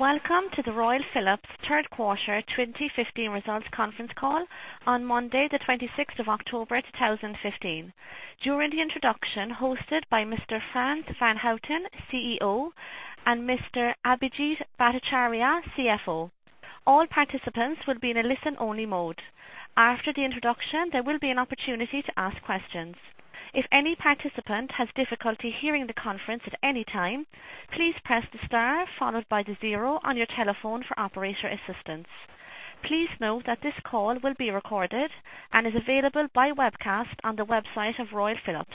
Welcome to the Royal Philips third quarter 2015 results conference call on Monday, the 26th of October, 2015. During the introduction, hosted by Mr. Frans van Houten, CEO, and Mr. Abhijit Bhattacharya, CFO, all participants will be in a listen only mode. After the introduction, there will be an opportunity to ask questions. If any participant has difficulty hearing the conference at any time, please press the star followed by the zero on your telephone for operator assistance. Please note that this call will be recorded and is available by webcast on the website of Royal Philips.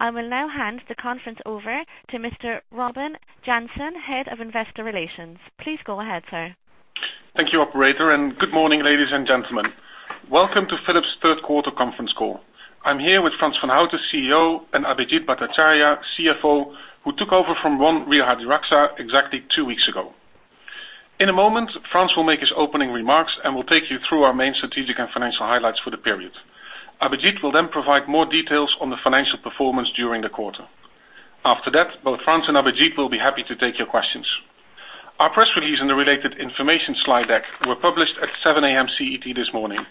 I will now hand the conference over to Mr. Robin Jansen, Head of Investor Relations. Please go ahead, sir. Thank you, operator, and good morning, ladies and gentlemen. Welcome to Philips third quarter conference call. I am here with Frans van Houten, CEO, and Abhijit Bhattacharya, CFO, who took over from Ron Wirahadiraksa exactly two weeks ago. In a moment, Frans will make his opening remarks and will take you through our main strategic and financial highlights for the period. Abhijit will then provide more details on the financial performance during the quarter. After that, both Frans and Abhijit will be happy to take your questions. Our press release and the related information slide deck were published at 7:00 A.M. CET this morning.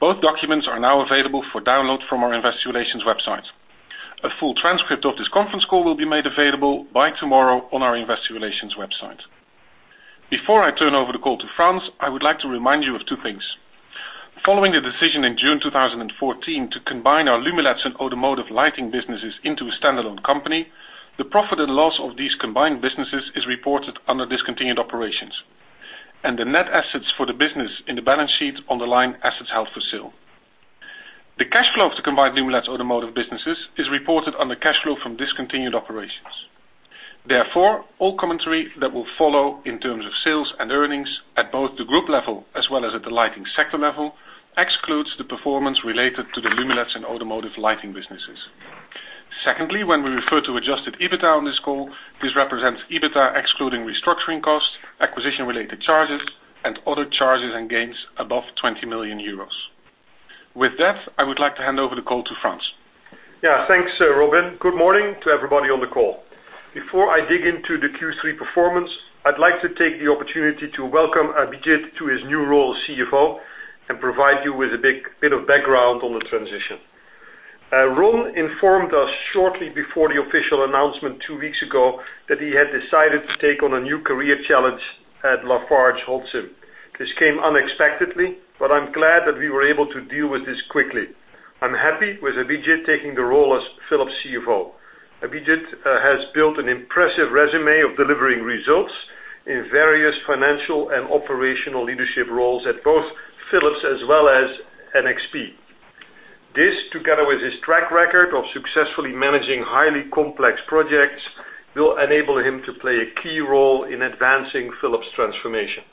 Both documents are now available for download from our investor relations website. A full transcript of this conference call will be made available by tomorrow on our investor relations website. Before I turn over the call to Frans, I would like to remind you of two things. Following the decision in June 2014 to combine our Lumileds and automotive lighting businesses into a standalone company, the profit and loss of these combined businesses is reported under discontinued operations, and the net assets for the business in the balance sheet on the line assets held for sale. The cash flow of the combined Lumileds automotive businesses is reported under cash flow from discontinued operations. Therefore, all commentary that will follow in terms of sales and earnings at both the group level as well as at the lighting sector level excludes the performance related to the Lumileds and automotive lighting businesses. Secondly, when we refer to adjusted EBITDA on this call, this represents EBITDA excluding restructuring costs, acquisition related charges, and other charges and gains above 20 million euros. With that, I would like to hand over the call to Frans. Thanks, Robin. Good morning to everybody on the call. Before I dig into the Q3 performance, I would like to take the opportunity to welcome Abhijit to his new role as CFO and provide you with a bit of background on the transition. Ron informed us shortly before the official announcement two weeks ago that he had decided to take on a new career challenge at LafargeHolcim. This came unexpectedly, but I am glad that we were able to deal with this quickly. I am happy with Abhijit taking the role as Philips CFO. Abhijit has built an impressive resume of delivering results in various financial and operational leadership roles at both Philips as well as NXP. This, together with his track record of successfully managing highly complex projects, will enable him to play a key role in advancing Philips transformation.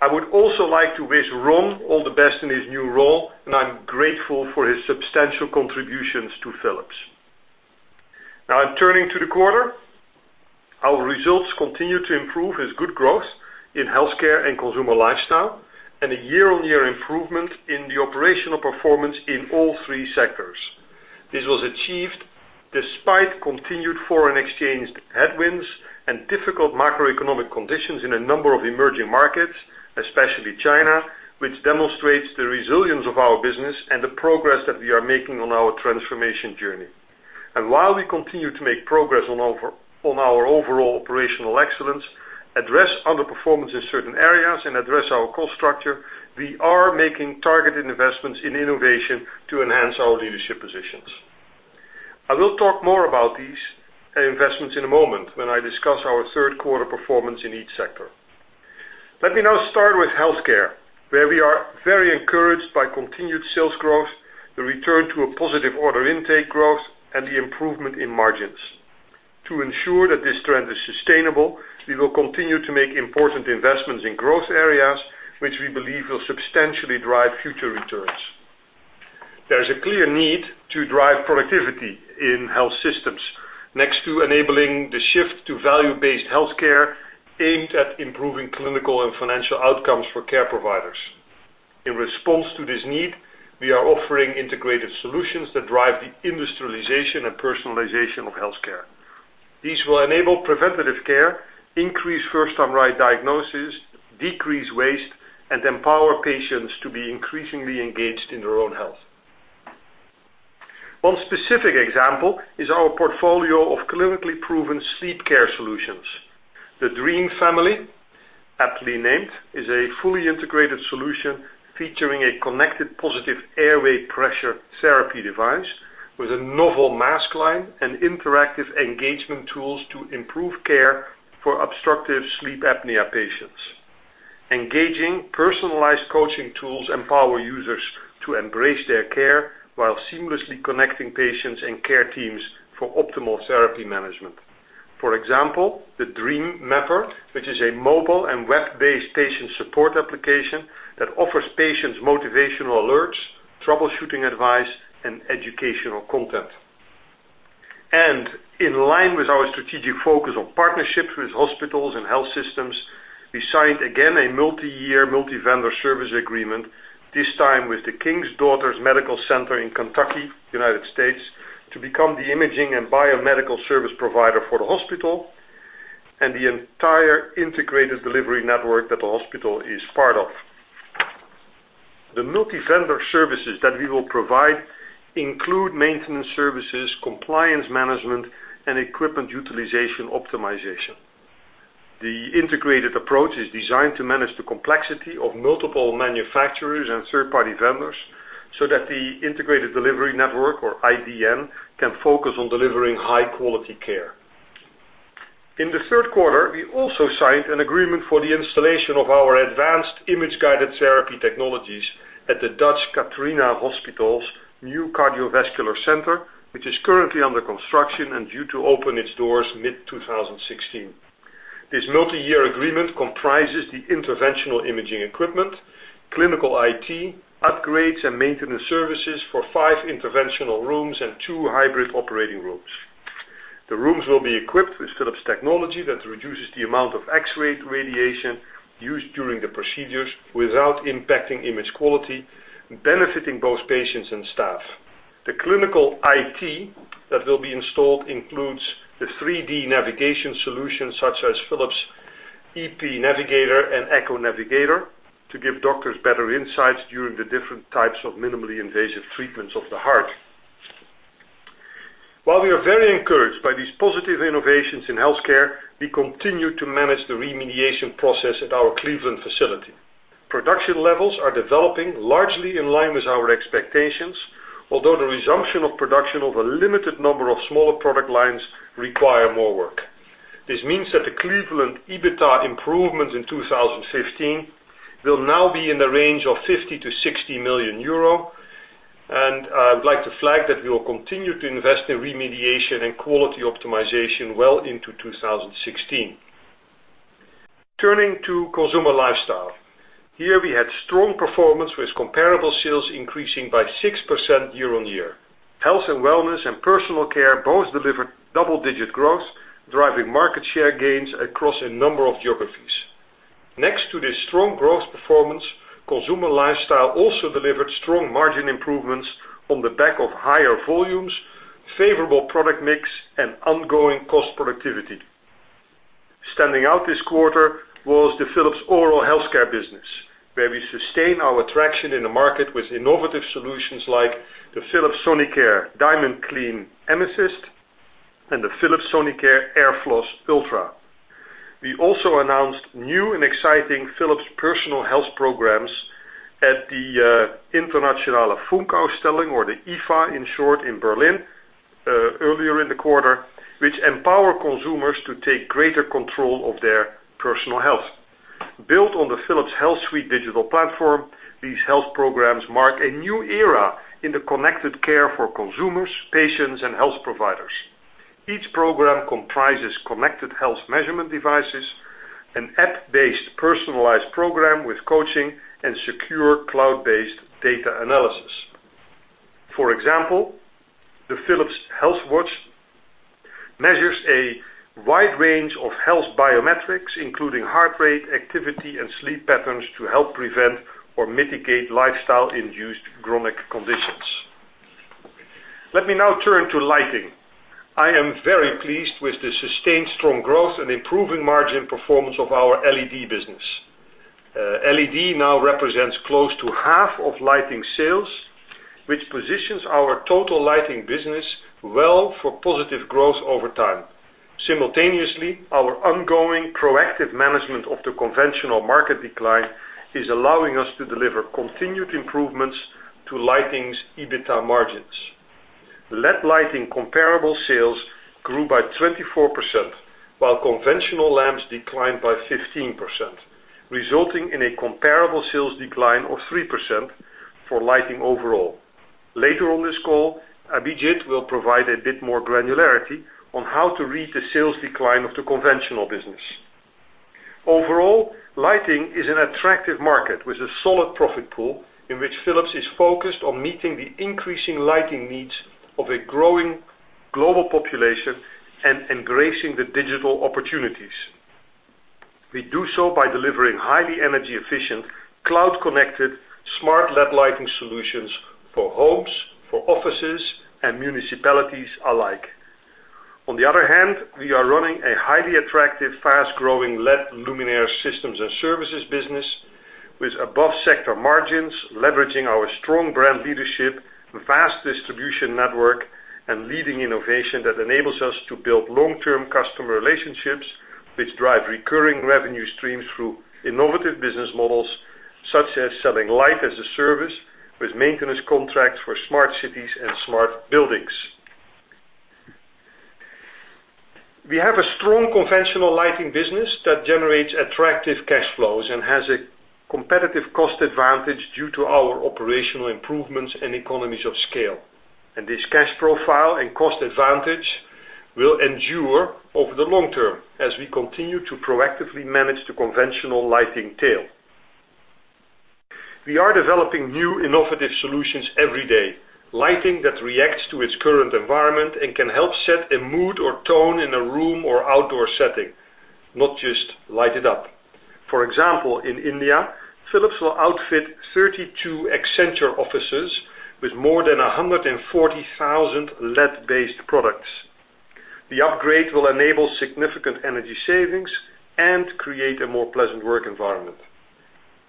I would also like to wish Ron all the best in his new role, and I'm grateful for his substantial contributions to Philips. In turning to the quarter, our results continue to improve as good growth in healthcare and consumer lifestyle and a year-on-year improvement in the operational performance in all three sectors. This was achieved despite continued foreign exchange headwinds and difficult macroeconomic conditions in a number of emerging markets, especially China, which demonstrates the resilience of our business and the progress that we are making on our transformation journey. While we continue to make progress on our overall operational excellence, address underperformance in certain areas and address our cost structure, we are making targeted investments in innovation to enhance our leadership positions. I will talk more about these investments in a moment when I discuss our third quarter performance in each sector. Let me now start with healthcare, where we are very encouraged by continued sales growth, the return to a positive order intake growth, and the improvement in margins. To ensure that this trend is sustainable, we will continue to make important investments in growth areas which we believe will substantially drive future returns. There is a clear need to drive productivity in health systems next to enabling the shift to value-based healthcare aimed at improving clinical and financial outcomes for care providers. In response to this need, we are offering integrated solutions that drive the industrialization and personalization of healthcare. These will enable preventative care, increase first time right diagnosis, decrease waste, and empower patients to be increasingly engaged in their own health. One specific example is our portfolio of clinically proven sleep care solutions. The Dream Family, aptly named, is a fully integrated solution featuring a connected positive airway pressure therapy device with a novel mask line and interactive engagement tools to improve care for obstructive sleep apnea patients. Engaging personalized coaching tools empower users to embrace their care while seamlessly connecting patients and care teams for optimal therapy management. For example, the DreamMapper, which is a mobile and web-based patient support application that offers patients motivational alerts, troubleshooting advice, and educational content. In line with our strategic focus on partnerships with hospitals and health systems, we signed again a multi-year, multi-vendor service agreement, this time with the King's Daughters Medical Center in Kentucky, U.S., to become the imaging and biomedical service provider for the hospital and the entire integrated delivery network that the hospital is part of. The multi-vendor services that we will provide include maintenance services, compliance management, and equipment utilization optimization. The integrated approach is designed to manage the complexity of multiple manufacturers and third-party vendors so that the integrated delivery network, or IDN, can focus on delivering high-quality care. In the third quarter, we also signed an agreement for the installation of our advanced Image-Guided Therapy technologies at the Dutch Catharina Hospital's new cardiovascular center, which is currently under construction and due to open its doors mid-2016. This multi-year agreement comprises the interventional imaging equipment, clinical IT, upgrades, and maintenance services for five interventional rooms and two hybrid operating rooms. The rooms will be equipped with Philips technology that reduces the amount of X-ray radiation used during the procedures without impacting image quality, benefiting both patients and staff. The clinical IT that will be installed includes the 3D navigation solution, such as Philips EP Navigator and EchoNavigator, to give doctors better insights during the different types of minimally invasive treatments of the heart. While we are very encouraged by these positive innovations in healthcare, we continue to manage the remediation process at our Cleveland facility. Production levels are developing largely in line with our expectations, although the resumption of production of a limited number of smaller product lines require more work. This means that the Cleveland EBITDA improvements in 2015 will now be in the range of 50 million-60 million euro. I would like to flag that we will continue to invest in remediation and quality optimization well into 2016. Turning to Consumer Lifestyle. Here, we had strong performance with comparable sales increasing by 6% year-on-year. Health and wellness and personal care both delivered double-digit growth, driving market share gains across a number of geographies. Next to this strong growth performance, Consumer Lifestyle also delivered strong margin improvements on the back of higher volumes, favorable product mix, and ongoing cost productivity. Standing out this quarter was the Philips Oral Healthcare business, where we sustain our traction in the market with innovative solutions like the Philips Sonicare DiamondClean Amethyst and the Philips Sonicare AirFloss Ultra. We also announced new and exciting Philips personal health programs at the Internationale Funkausstellung, or the IFA in short, in Berlin, earlier in the quarter, which empower consumers to take greater control of their personal health. Built on the Philips HealthSuite digital platform, these health programs mark a new era in the connected care for consumers, patients, and health providers. Each program comprises connected health measurement devices, an app-based personalized program with coaching, and secure cloud-based data analysis. For example, the Philips Health Watch measures a wide range of health biometrics, including heart rate, activity, and sleep patterns, to help prevent or mitigate lifestyle-induced chronic conditions. Let me now turn to lighting. I am very pleased with the sustained strong growth and improving margin performance of our LED business. LED now represents close to half of lighting sales, which positions our total lighting business well for positive growth over time. Simultaneously, our ongoing proactive management of the conventional market decline is allowing us to deliver continued improvements to lighting's EBITDA margins. LED lighting comparable sales grew by 24%, while conventional lamps declined by 15%, resulting in a comparable sales decline of 3% for lighting overall. Later on this call, Abhijit will provide a bit more granularity on how to read the sales decline of the conventional business. Overall, lighting is an attractive market with a solid profit pool in which Philips is focused on meeting the increasing lighting needs of a growing global population and embracing the digital opportunities. We do so by delivering highly energy-efficient, cloud-connected smart LED lighting solutions for homes, for offices, and municipalities alike. On the other hand, we are running a highly attractive, fast-growing LED luminaire systems and services business with above-sector margins, leveraging our strong brand leadership, vast distribution network, and leading innovation that enables us to build long-term customer relationships which drive recurring revenue streams through innovative business models, such as selling light as a service with maintenance contracts for smart cities and smart buildings. We have a strong conventional lighting business that generates attractive cash flows and has a competitive cost advantage due to our operational improvements and economies of scale. This cash profile and cost advantage will endure over the long term as we continue to proactively manage the conventional lighting tail. We are developing new innovative solutions every day. Lighting that reacts to its current environment and can help set a mood or tone in a room or outdoor setting, not just light it up. For example, in India, Philips will outfit 32 Accenture offices with more than 140,000 LED-based products. The upgrade will enable significant energy savings and create a more pleasant work environment.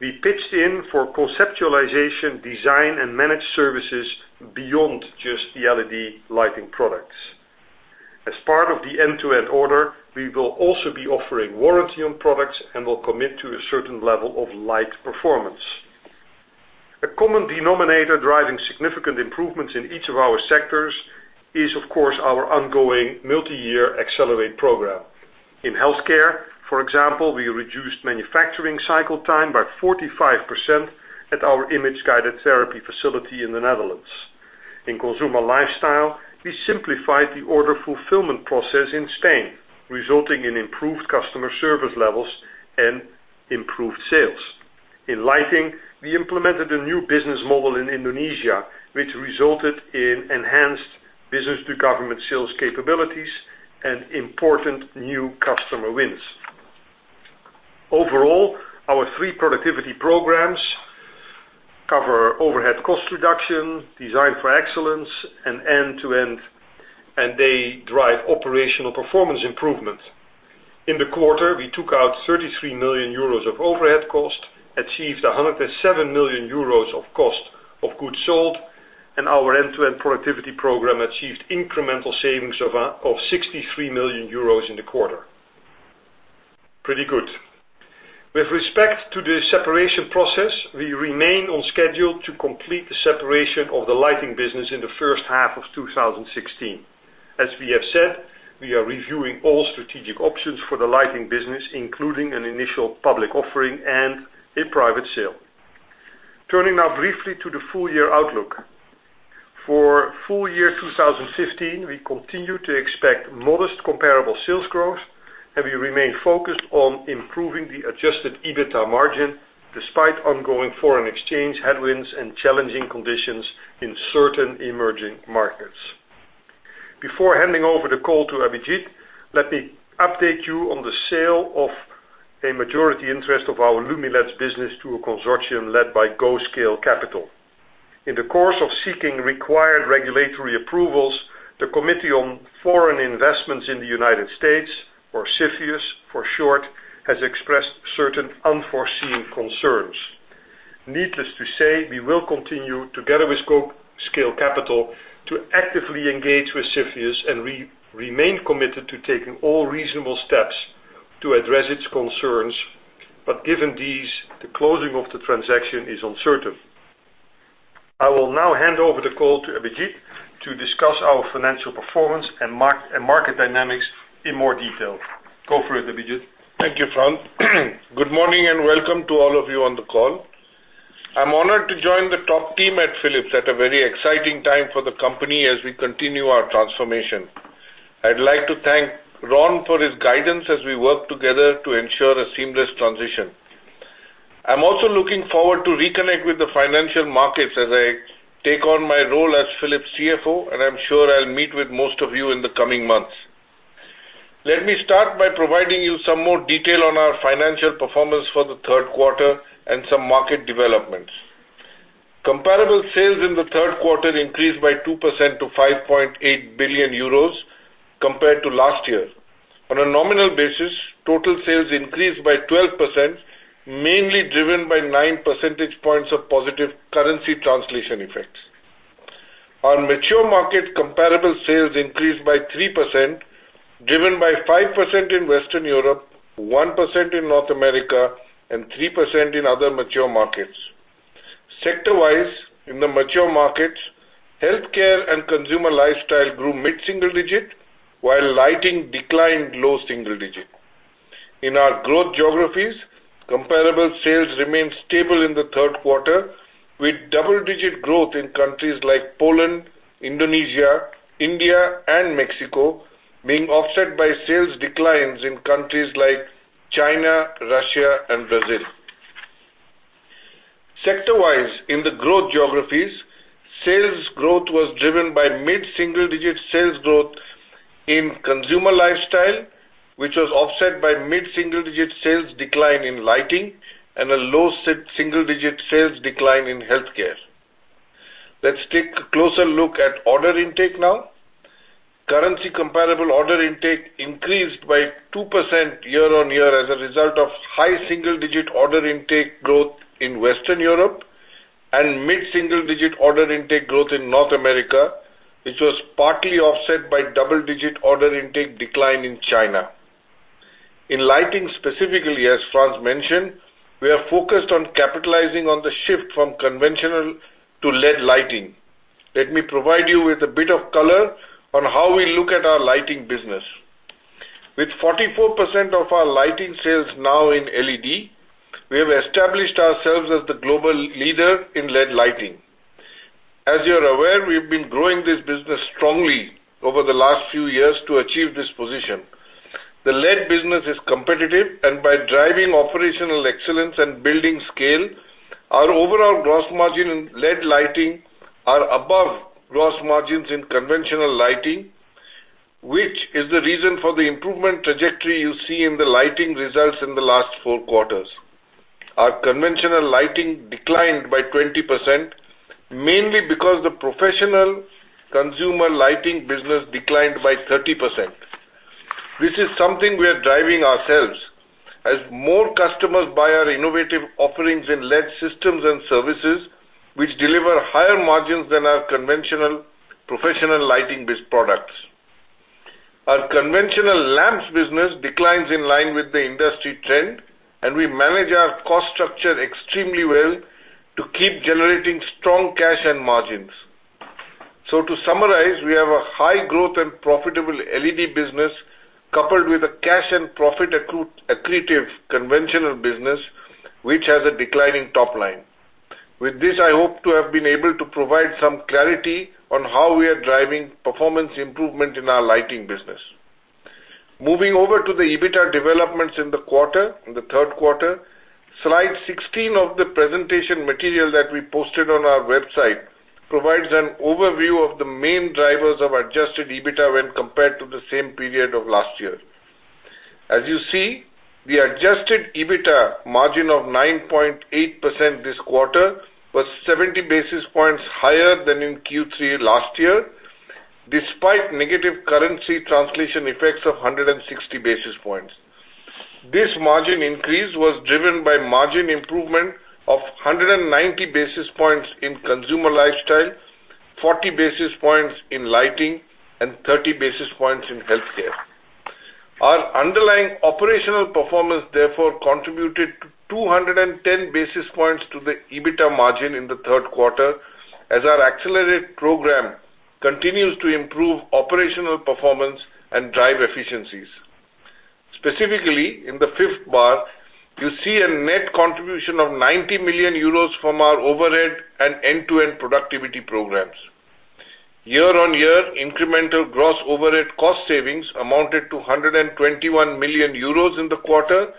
We pitched in for conceptualization, design, and managed services beyond just the LED lighting products. As part of the end-to-end order, we will also be offering warranty on products and will commit to a certain level of light performance. A common denominator driving significant improvements in each of our sectors is, of course, our ongoing multi-year Accelerate! program. In healthcare, for example, we reduced manufacturing cycle time by 45% at our Image-Guided Therapy facility in the Netherlands. In consumer lifestyle, we simplified the order fulfillment process in Spain, resulting in improved customer service levels and improved sales. In lighting, we implemented a new business model in Indonesia, which resulted in enhanced business-to-government sales capabilities and important new customer wins. Overall, our three productivity programs cover overhead cost reduction, Design for excellence, and end-to-end, they drive operational performance improvement. In the quarter, we took out 33 million euros of overhead cost, achieved 107 million euros of cost of goods sold, our end-to-end productivity program achieved incremental savings of 63 million euros in the quarter. Pretty good. With respect to the separation process, we remain on schedule to complete the separation of the lighting business in the first half of 2016. As we have said, we are reviewing all strategic options for the lighting business, including an initial public offering and a private sale. Turning now briefly to the full-year outlook. For full-year 2015, we continue to expect modest comparable sales growth, we remain focused on improving the adjusted EBITA margin, despite ongoing foreign exchange headwinds and challenging conditions in certain emerging markets. Before handing over the call to Abhijit, let me update you on the sale of a majority interest of our Lumileds business to a consortium led by GO Scale Capital. In the course of seeking required regulatory approvals, the Committee on Foreign Investment in the U.S., or CFIUS for short, has expressed certain unforeseen concerns. Needless to say, we will continue, together with GO Scale Capital, to actively engage with CFIUS, we remain committed to taking all reasonable steps to address its concerns. Given these, the closing of the transaction is uncertain. I will now hand over the call to Abhijit to discuss our financial performance and market dynamics in more detail. Go for it, Abhijit. Thank you, Frans. Good morning and welcome to all of you on the call. I'm honored to join the top team at Philips at a very exciting time for the company as we continue our transformation. I'd like to thank Ron for his guidance as we work together to ensure a seamless transition. I'm also looking forward to reconnect with the financial markets as I take on my role as Philips CFO, and I'm sure I'll meet with most of you in the coming months. Let me start by providing you some more detail on our financial performance for the third quarter and some market developments. Comparable sales in the third quarter increased by 2% to 5.8 billion euros compared to last year. On a nominal basis, total sales increased by 12%, mainly driven by nine percentage points of positive currency translation effects. On mature market, comparable sales increased by 3%, driven by 5% in Western Europe, 1% in North America, and 3% in other mature markets. Sector-wise, in the mature markets, Healthcare and Consumer Lifestyle grew mid-single digit, while lighting declined low single digit. In our growth geographies, comparable sales remained stable in the third quarter, with double-digit growth in countries like Poland, Indonesia, India, and Mexico being offset by sales declines in countries like China, Russia, and Brazil. Sector-wise, in the growth geographies, sales growth was driven by mid-single-digit sales growth in Consumer Lifestyle, which was offset by mid-single-digit sales decline in lighting and a low-single-digit sales decline in Healthcare. Let's take a closer look at order intake now. Currency comparable order intake increased by 2% year-on-year as a result of high single-digit order intake growth in Western Europe and mid-single-digit order intake growth in North America, which was partly offset by double-digit order intake decline in China. In lighting specifically, as Frans mentioned, we are focused on capitalizing on the shift from conventional to LED lighting. Let me provide you with a bit of color on how we look at our lighting business. With 44% of our lighting sales now in LED, we have established ourselves as the global leader in LED lighting. As you're aware, we've been growing this business strongly over the last few years to achieve this position. The LED business is competitive, and by driving operational excellence and building scale, our overall gross margin in LED lighting are above gross margins in conventional lighting, which is the reason for the improvement trajectory you see in the lighting results in the last four quarters. Our conventional lighting declined by 20%, mainly because the professional consumer lighting business declined by 30%. This is something we are driving ourselves as more customers buy our innovative offerings in LED systems and services, which deliver higher margins than our conventional professional lighting-based products. Our conventional lamps business declines in line with the industry trend, and we manage our cost structure extremely well to keep generating strong cash and margins. To summarize, we have a high growth and profitable LED business, coupled with a cash and profit accretive conventional business, which has a declining top line. With this, I hope to have been able to provide some clarity on how we are driving performance improvement in our lighting business. Moving over to the EBITDA developments in the quarter, in the third quarter, slide 16 of the presentation material that we posted on our website provides an overview of the main drivers of adjusted EBITDA when compared to the same period of last year. As you see, the adjusted EBITDA margin of 9.8% this quarter was 70 basis points higher than in Q3 last year, despite negative currency translation effects of 160 basis points. This margin increase was driven by margin improvement of 190 basis points in Consumer Lifestyle, 40 basis points in lighting, and 30 basis points in Healthcare. Our underlying operational performance therefore contributed 210 basis points to the EBITDA margin in the third quarter as our Accelerate! program continues to improve operational performance and drive efficiencies. Specifically, in the fifth bar, you see a net contribution of 90 million euros from our overhead and end-to-end productivity programs. Year-on-year, incremental gross overhead cost savings amounted to 121 million euros in the quarter,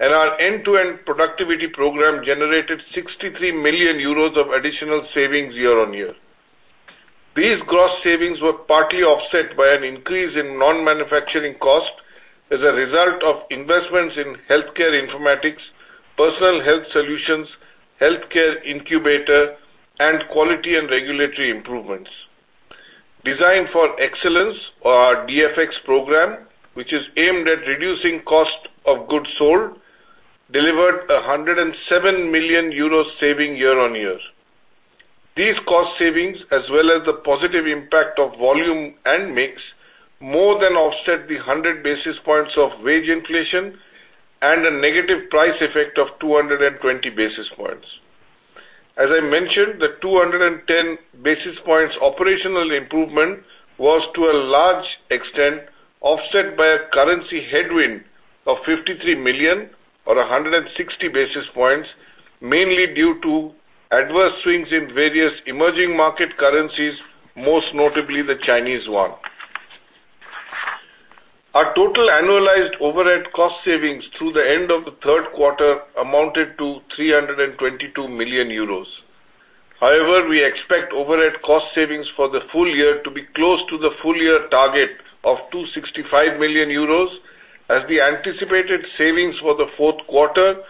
and our end-to-end productivity program generated 63 million euros of additional savings year-on-year. These gross savings were partly offset by an increase in non-manufacturing costs as a result of investments in Healthcare informatics, Personal Health solutions, Healthcare incubator, and quality and regulatory improvements. Designed for excellence or our DFX program, which is aimed at reducing cost of goods sold, delivered 107 million euro saving year-on-year. These cost savings, as well as the positive impact of volume and mix, more than offset the 100 basis points of wage inflation and a negative price effect of 220 basis points. As I mentioned, the 210 basis points operational improvement was to a large extent offset by a currency headwind of 53 million or 160 basis points, mainly due to adverse swings in various emerging market currencies, most notably the Chinese yuan. Our total annualized overhead cost savings through the end of the third quarter amounted to 322 million euros. However, we expect overhead cost savings for the full year to be close to the full year target of 265 million euros, as the anticipated savings for the fourth quarter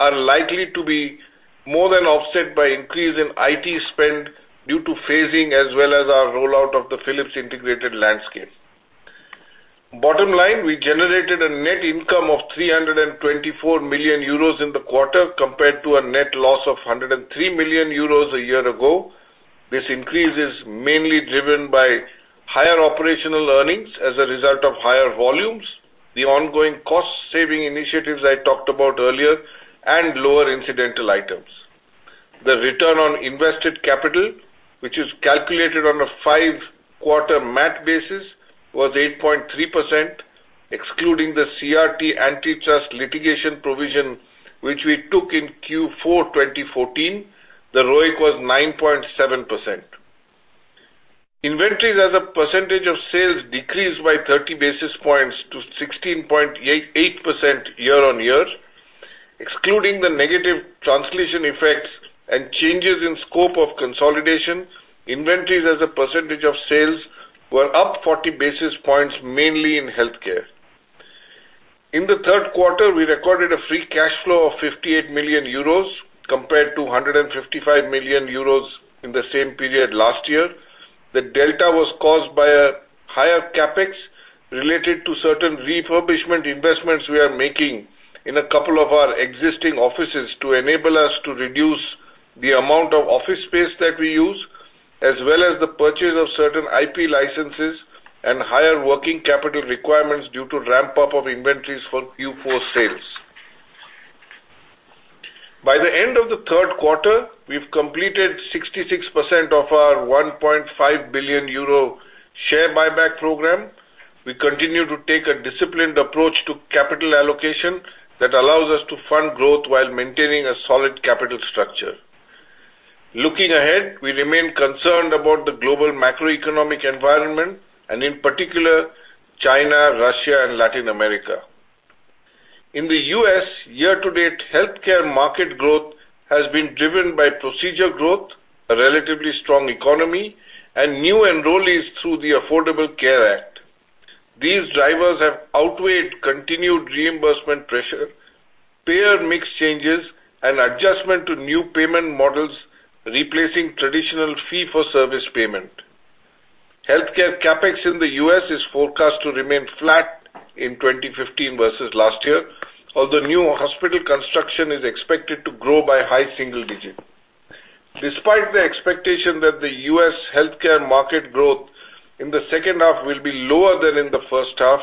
are likely to be more than offset by increase in IT spend due to phasing as well as our rollout of the Philips Integrated Landscape. Bottom line, we generated a net income of 324 million euros in the quarter compared to a net loss of 103 million euros a year ago. This increase is mainly driven by higher operational earnings as a result of higher volumes, the ongoing cost-saving initiatives I talked about earlier, and lower incidental items. The return on invested capital, which is calculated on a five-quarter math basis, was 8.3%, excluding the CRT antitrust litigation provision, which we took in Q4 2014. The ROIC was 9.7%. Inventories as a percentage of sales decreased by 30 basis points to 16.8% year-on-year. Excluding the negative translation effects and changes in scope of consolidation, inventories as a percentage of sales were up 40 basis points, mainly in Healthcare. In the third quarter, we recorded a free cash flow of 58 million euros compared to 155 million euros in the same period last year. The delta was caused by a higher CapEx related to certain refurbishment investments we are making in a couple of our existing offices to enable us to reduce the amount of office space that we use, as well as the purchase of certain IP licenses and higher working capital requirements due to ramp-up of inventories for Q4 sales. By the end of the third quarter, we've completed 66% of our 1.5 billion euro share buyback program. We continue to take a disciplined approach to capital allocation that allows us to fund growth while maintaining a solid capital structure. Looking ahead, we remain concerned about the global macroeconomic environment, and in particular, China, Russia, and Latin America. In the U.S., year-to-date healthcare market growth has been driven by procedure growth, a relatively strong economy, and new enrollees through the Affordable Care Act. These drivers have outweighed continued reimbursement pressure, payer mix changes, and adjustment to new payment models replacing traditional fee-for-service payment. Healthcare CapEx in the U.S. is forecast to remain flat in 2015 versus last year. Although new hospital construction is expected to grow by high single digits. Despite the expectation that the U.S. healthcare market growth in the second half will be lower than in the first half,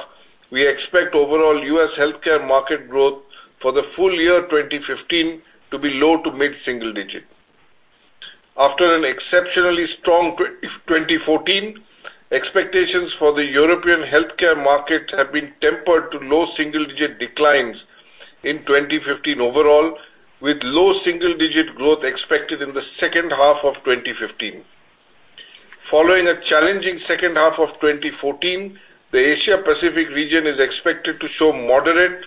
we expect overall U.S. healthcare market growth for the full year 2015 to be low to mid single digit. After an exceptionally strong 2014, expectations for the European healthcare market have been tempered to low single-digit declines in 2015 overall, with low single-digit growth expected in the second half of 2015. Following a challenging second half of 2014, the Asia Pacific region is expected to show moderate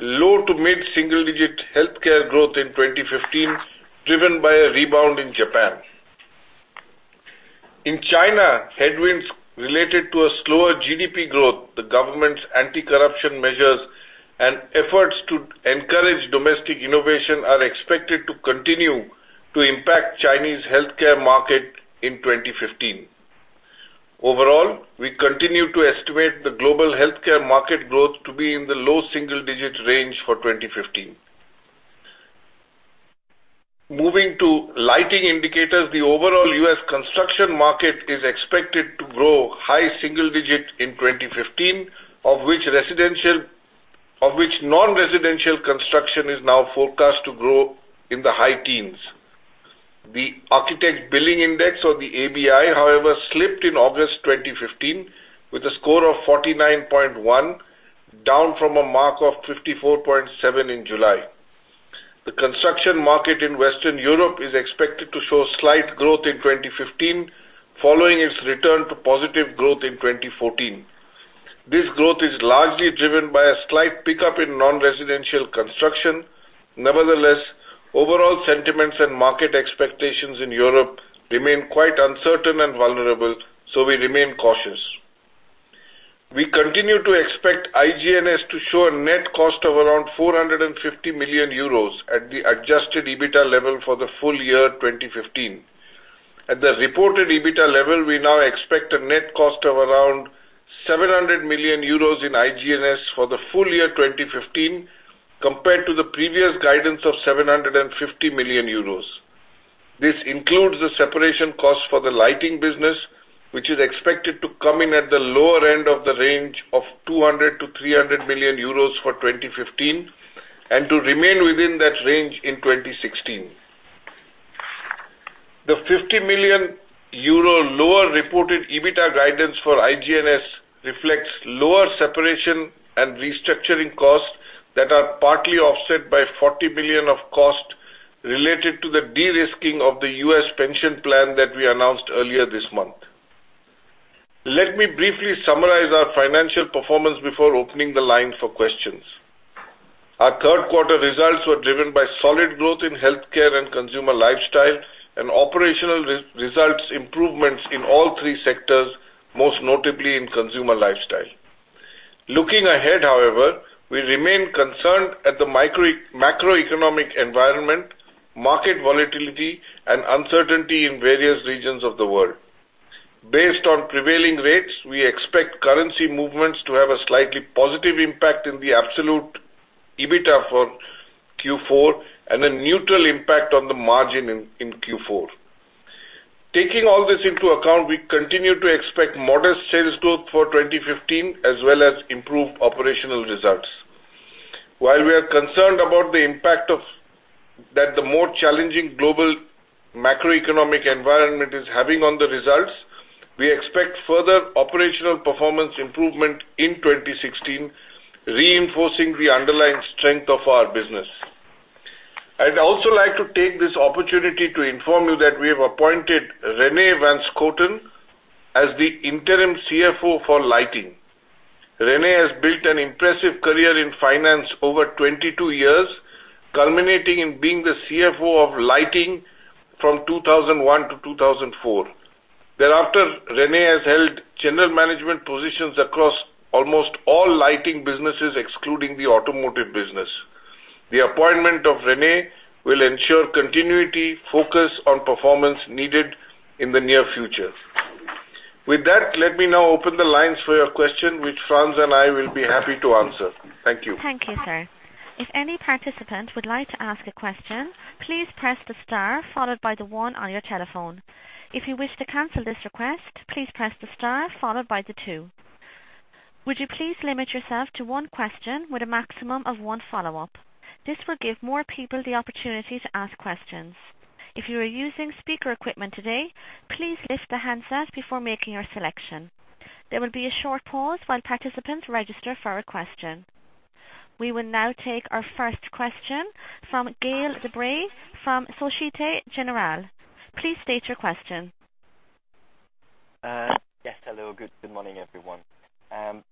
low to mid single-digit healthcare growth in 2015, driven by a rebound in Japan. In China, headwinds related to a slower GDP growth, the government's anti-corruption measures, and efforts to encourage domestic innovation are expected to continue to impact Chinese healthcare market in 2015. Overall, we continue to estimate the global healthcare market growth to be in the low single-digit range for 2015. Moving to lighting indicators, the overall U.S. construction market is expected to grow high single digit in 2015. Of which non-residential construction is now forecast to grow in the high teens. The Architecture Billings Index or the ABI, however, slipped in August 2015 with a score of 49.1, down from a mark of 54.7 in July. The construction market in Western Europe is expected to show slight growth in 2015, following its return to positive growth in 2014. This growth is largely driven by a slight pickup in non-residential construction. Nevertheless, overall sentiments and market expectations in Europe remain quite uncertain and vulnerable, we remain cautious. We continue to expect IG&S to show a net cost of around 450 million euros at the adjusted EBITDA level for the full year 2015. At the reported EBITDA level, we now expect a net cost of around 700 million euros in IG&S for the full year 2015 compared to the previous guidance of 750 million euros. This includes the separation cost for the lighting business, which is expected to come in at the lower end of the range of 200 million-300 million euros for 2015 and to remain within that range in 2016. The 50 million euro lower reported EBITDA guidance for IG&S reflects lower separation and restructuring costs that are partly offset by 40 million of cost related to the de-risking of the U.S. pension plan that we announced earlier this month. Let me briefly summarize our financial performance before opening the line for questions. Our third quarter results were driven by solid growth in healthcare and Consumer Lifestyle and operational results improvements in all three sectors, most notably in Consumer Lifestyle. Looking ahead, however, we remain concerned at the macroeconomic environment, market volatility, and uncertainty in various regions of the world. Based on prevailing rates, we expect currency movements to have a slightly positive impact in the absolute EBITDA for Q4 and a neutral impact on the margin in Q4. Taking all this into account, we continue to expect modest sales growth for 2015 as well as improved operational results. While we are concerned about the impact that the more challenging global macroeconomic environment is having on the results, we expect further operational performance improvement in 2016, reinforcing the underlying strength of our business. I'd also like to take this opportunity to inform you that we have appointed René van Schooten as the interim CFO for Philips Lighting. René has built an impressive career in finance over 22 years, culminating in being the CFO of Philips Lighting from 2001 to 2004. Thereafter, René has held general management positions across almost all Philips Lighting businesses, excluding the automotive business. The appointment of René will ensure continuity, focus on performance needed in the near future. With that, let me now open the lines for your questions, which Frans and I will be happy to answer. Thank you. Thank you, sir. If any participant would like to ask a question, please press the star followed by the one on your telephone. If you wish to cancel this request, please press the star followed by the two. Would you please limit yourself to one question with a maximum of one follow-up? This will give more people the opportunity to ask questions. If you are using speaker equipment today, please lift the handset before making your selection. There will be a short pause while participants register for a question. We will now take our first question from Gael de Bray from Societe Generale. Please state your question. Yes, hello. Good morning, everyone.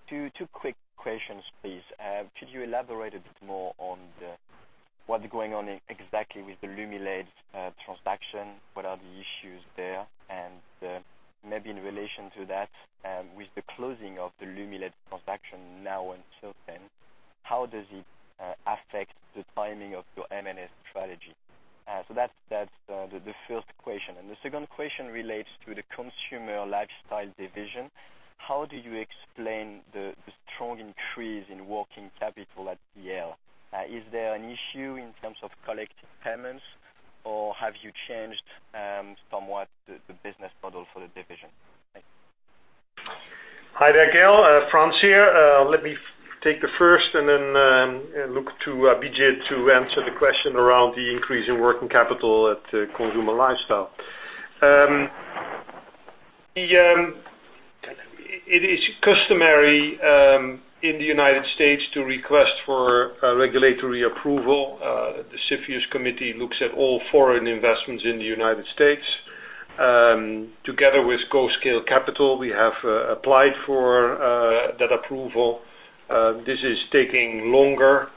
Two quick questions, please. Could you elaborate a bit more on what is going on exactly with the Lumileds transaction? What are the issues there? Maybe in relation to that, with the closing of the Lumileds transaction now uncertain, how does it affect the timing of your M&A strategy? That's the first question. The second question relates to the Consumer Lifestyle division. How do you explain the strong increase in working capital at CL? Is there an issue in terms of collecting payments, or have you changed somewhat the business model for the division? Thanks. Hi there, Gael. Frans here. Let me take the first and then look to Abhijit to answer the question around the increase in working capital at consumer lifestyle. It is customary in the U.S. to request for regulatory approval. The CFIUS Committee looks at all foreign investments in the U.S. Together with GO Scale Capital, we have applied for that approval. This is taking longer,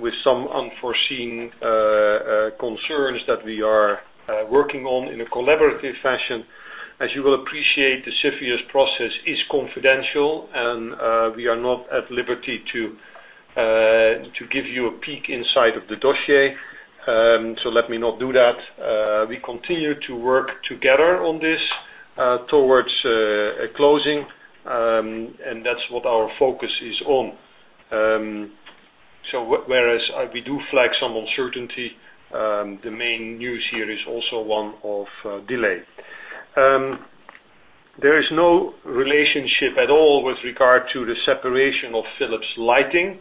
with some unforeseen concerns that we are working on in a collaborative fashion. As you will appreciate, the CFIUS process is confidential, and we are not at liberty to give you a peek inside of the dossier, let me not do that. We continue to work together on this towards a closing, and that's what our focus is on. Whereas we do flag some uncertainty, the main news here is also one of delay. There is no relationship at all with regard to the separation of Philips Lighting.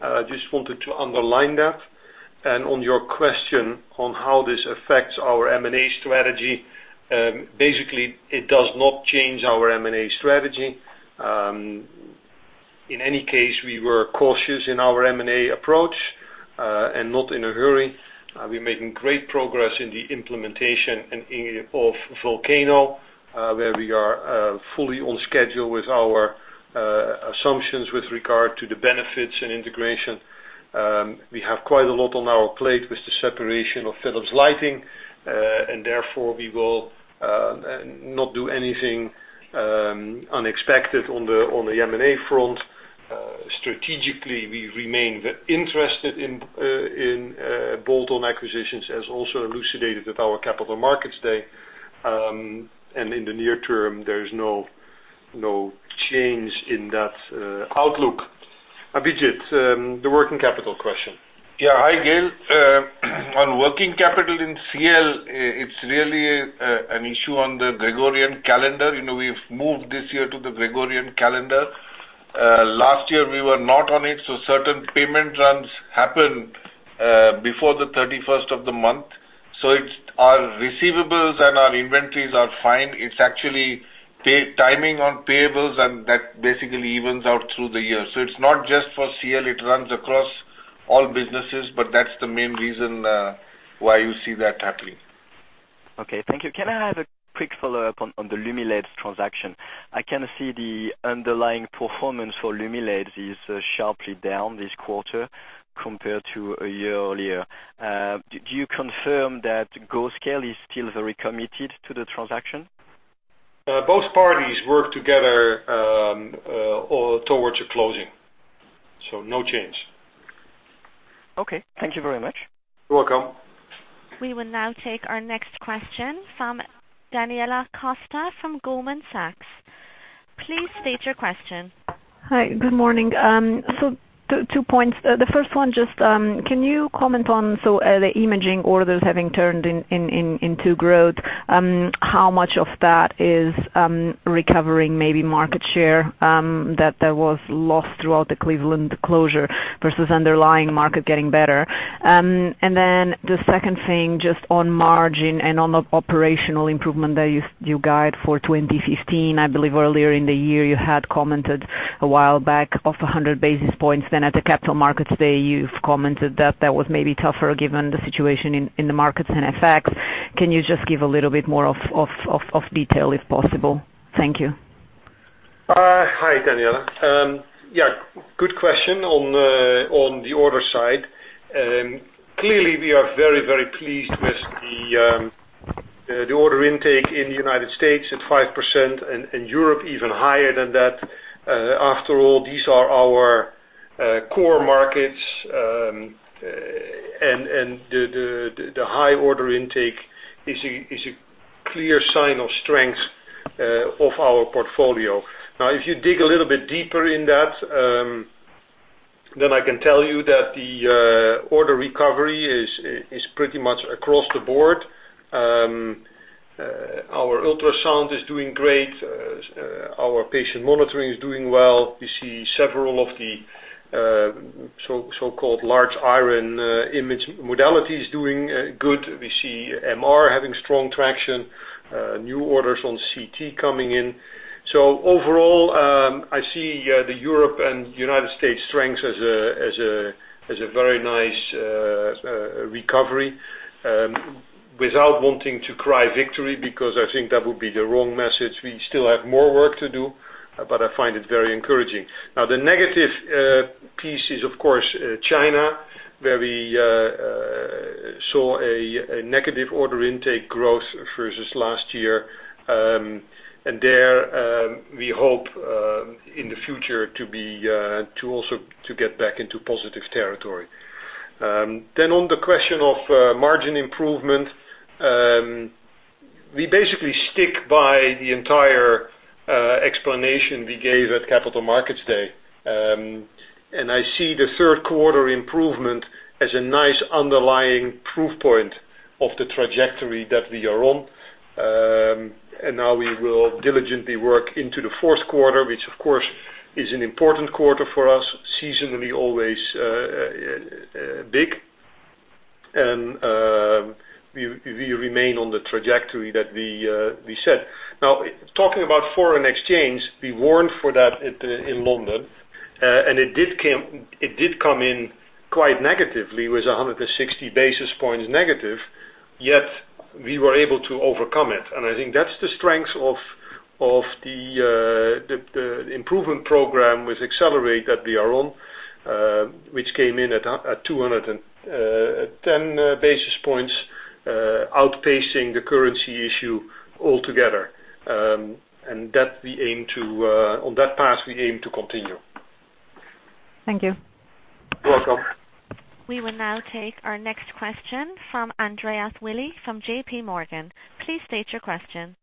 I just wanted to underline that. On your question on how this affects our M&A strategy, basically it does not change our M&A strategy. In any case, we were cautious in our M&A approach, and not in a hurry. We're making great progress in the implementation of Volcano, where we are fully on schedule with our assumptions with regard to the benefits and integration. We have quite a lot on our plate with the separation of Philips Lighting, and therefore we will not do anything unexpected on the M&A front. Strategically, we remain interested in bolt-on acquisitions, as also elucidated at our Capital Markets Day. In the near term, there is no change in that outlook. Abhijit, the working capital question. Hi, Gael. On working capital in CL, it's really an issue on the Gregorian calendar. We've moved this year to the Gregorian calendar. Last year we were not on it, certain payment runs happened before the 31st of the month. Our receivables and our inventories are fine. It's actually timing on payables, and that basically evens out through the year. It's not just for CL, it runs across all businesses, but that's the main reason why you see that happening. Okay, thank you. Can I have a quick follow-up on the Lumileds transaction? I can see the underlying performance for Lumileds is sharply down this quarter compared to a year earlier. Do you confirm that GO Scale is still very committed to the transaction? Both parties work together towards a closing, no change. Okay. Thank you very much. You're welcome. We will now take our next question from Daniela Costa from Goldman Sachs. Please state your question. Hi. Good morning. Two points. The first one, can you comment on the imaging orders having turned into growth, how much of that is recovering, maybe market share that there was lost throughout the Cleveland closure, versus underlying market getting better? The second thing, on margin and on the operational improvement that you guide for 2015. I believe earlier in the year you had commented a while back off 100 basis points. At the Capital Markets Day, you've commented that that was maybe tougher given the situation in the markets and FX. Can you give a little bit more of detail, if possible? Thank you. Hi, Daniela. Good question on the order side. Clearly, we are very pleased with the order intake in the United States at 5%, and Europe even higher than that. After all, these are our core markets, and the high order intake is a clear sign of strength of our portfolio. If you dig a little bit deeper in that, I can tell you that the order recovery is pretty much across the board. Our ultrasound is doing great. Our patient monitoring is doing well. We see several of the so-called large iron image modalities doing good. We see MR having strong traction, new orders on CT coming in. Overall, I see the Europe and United States strengths as a very nice recovery, without wanting to cry victory, because I think that would be the wrong message. We still have more work to do, I find it very encouraging. The negative piece is, of course, China, where we saw a negative order intake growth versus last year. There, we hope, in the future, to also get back into positive territory. On the question of margin improvement, we basically stick by the entire explanation we gave at Capital Markets Day. I see the third quarter improvement as a nice underlying proof point of the trajectory that we are on. Now we will diligently work into the fourth quarter, which, of course, is an important quarter for us, seasonally always big. We remain on the trajectory that we set. Talking about foreign exchange, we warned for that in London, and it did come in quite negatively. It was 160 basis points negative, yet we were able to overcome it. I think that's the strength of the improvement program with Accelerate! that we are on, which came in at 210 basis points, outpacing the currency issue altogether. On that path, we aim to continue. Thank you. You're welcome. We will now take our next question from Andreas Willi from J.P. Morgan. Please state your question.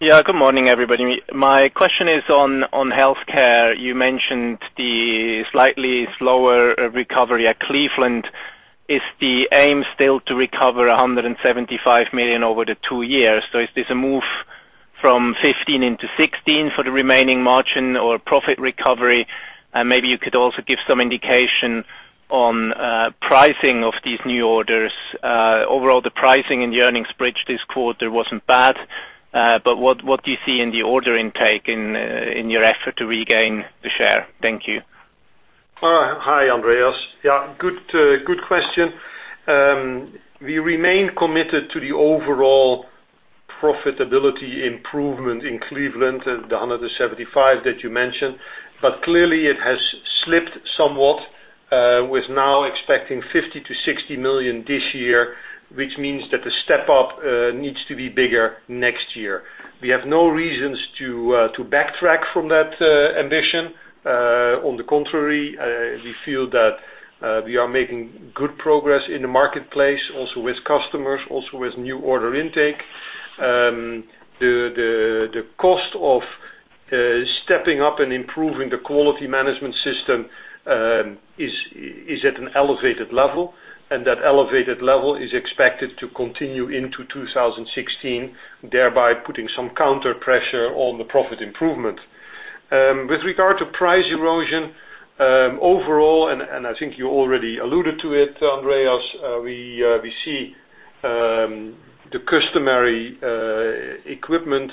Good morning, everybody. My question is on healthcare. You mentioned the slightly slower recovery at Cleveland. Is the aim still to recover 175 million over the two years? Is this a move from 2015 into 2016 for the remaining margin or profit recovery? Maybe you could also give some indication on pricing of these new orders. Overall, the pricing and earnings bridge this quarter wasn't bad, what do you see in the order intake in your effort to regain the share? Thank you. Hi, Andreas. Good question. We remain committed to the overall profitability improvement in Cleveland, the 175 that you mentioned. Clearly it has slipped somewhat with now expecting 50-60 million this year, which means that the step-up needs to be bigger next year. We have no reasons to backtrack from that ambition. On the contrary, we feel that we are making good progress in the marketplace also with customers, also with new order intake. The cost of stepping up and improving the quality management system is at an elevated level, that elevated level is expected to continue into 2016, thereby putting some counterpressure on the profit improvement. With regard to price erosion, overall, I think you already alluded to it, Andreas, we see the customary equipment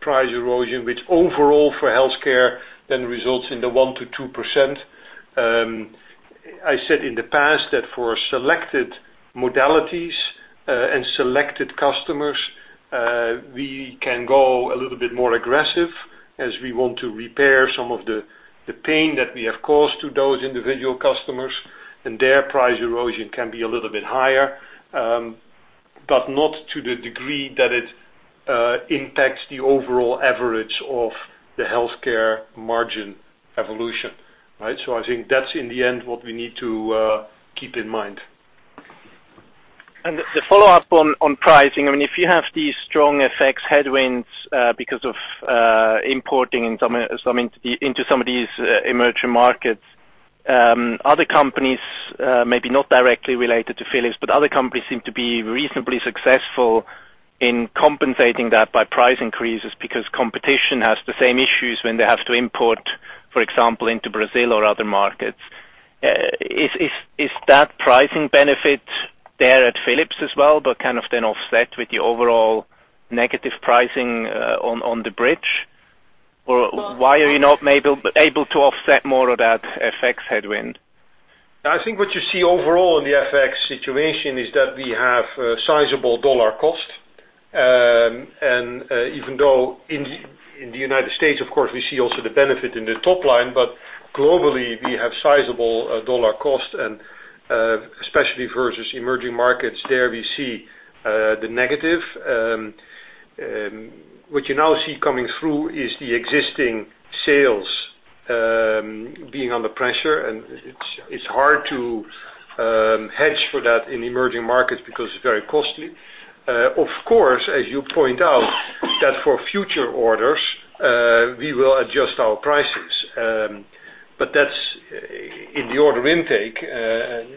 price erosion, which overall for healthcare results in the 1%-2%. I said in the past that for selected modalities and selected customers, we can go a little bit more aggressive as we want to repair some of the pain that we have caused to those individual customers, their price erosion can be a little bit higher. Not to the degree that it impacts the overall average of the healthcare margin evolution. I think that's, in the end, what we need to keep in mind. The follow-up on pricing, if you have these strong FX headwinds because of importing into some of these emerging markets, other companies, maybe not directly related to Philips, but other companies seem to be reasonably successful in compensating that by price increases because competition has the same issues when they have to import, for example, into Brazil or other markets. Is that pricing benefit there at Philips as well, kind of then offset with the overall negative pricing on the bridge? Why are you not maybe able to offset more of that FX headwind? I think what you see overall in the FX situation is that we have a sizable dollar cost. Even though in the U.S., of course, we see also the benefit in the top line, globally, we have sizable dollar cost and especially versus emerging markets, there we see the negative. What you now see coming through is the existing sales being under pressure, it's hard to hedge for that in emerging markets because it's very costly. Of course, as you point out, that for future orders, we will adjust our prices. That's in the order intake,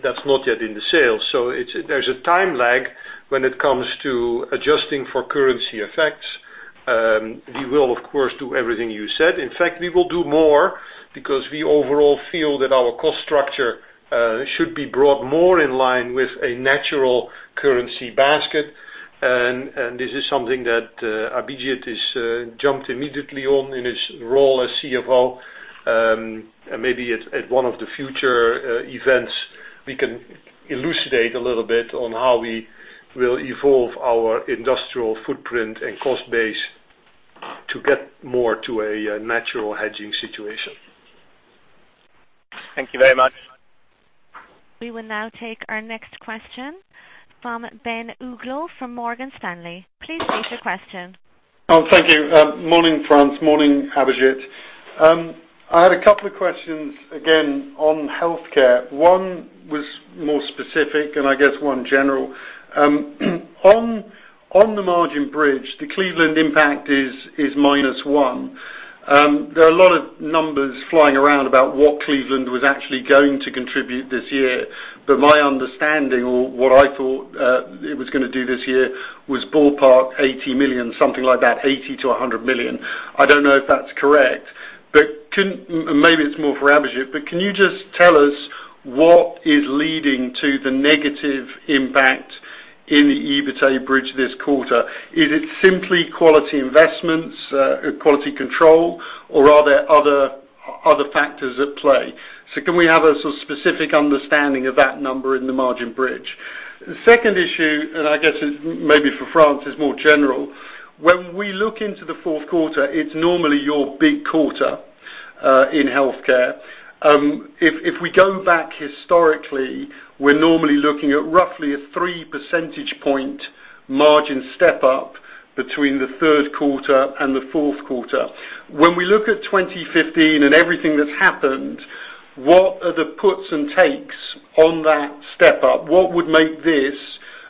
that's not yet in the sales. There's a time lag when it comes to adjusting for currency effects. We will, of course, do everything you said. In fact, we will do more because we overall feel that our cost structure should be brought more in line with a natural currency basket. This is something that Abhijit has jumped immediately on in his role as CFO. Maybe at one of the future events, we can elucidate a little bit on how we will evolve our industrial footprint and cost base to get more to a natural hedging situation. Thank you very much. We will now take our next question from Ben Uglow from Morgan Stanley. Please state your question. Thank you. Morning, Frans. Morning, Abhijit. I had a couple of questions, again, on healthcare. One was more specific, and I guess one general. On the margin bridge, the Cleveland impact is minus one. My understanding, or what I thought it was going to do this year, was ballpark 80 million, something like that, 80 million-100 million. I don't know if that's correct. Maybe it's more for Abhijit, can you just tell us what is leading to the negative impact in the EBITA bridge this quarter? Is it simply quality investments, quality control, or are there other factors at play? Can we have a sort of specific understanding of that number in the margin bridge? The second issue, I guess it may be for Frans, is more general. When we look into the fourth quarter, it's normally your big quarter, in healthcare. If we go back historically, we're normally looking at roughly a three percentage point margin step up between the third quarter and the fourth quarter. When we look at 2015 and everything that's happened, what are the puts and takes on that step up? What would make this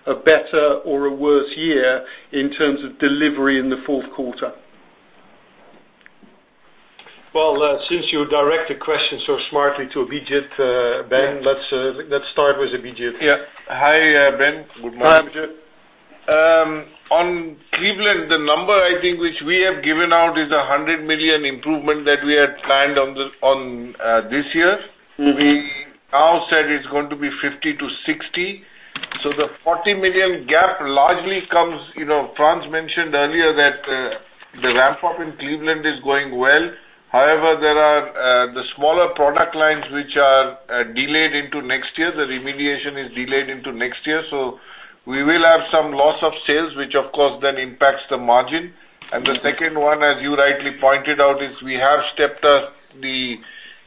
a better or a worse year in terms of delivery in the fourth quarter? Well, since you directed questions so smartly to Abhijit, Ben, let's start with Abhijit. Hi, Ben. Good morning. On Cleveland, the number I think which we have given out is 100 million improvement that we had planned on this year. We now said it's going to be 50-60. The 40 million gap largely comes, Frans mentioned earlier that the ramp-up in Cleveland is going well. However, there are the smaller product lines which are delayed into next year. The remediation is delayed into next year. We will have some loss of sales, which of course impacts the margin. The second one, as you rightly pointed out, is we have stepped up the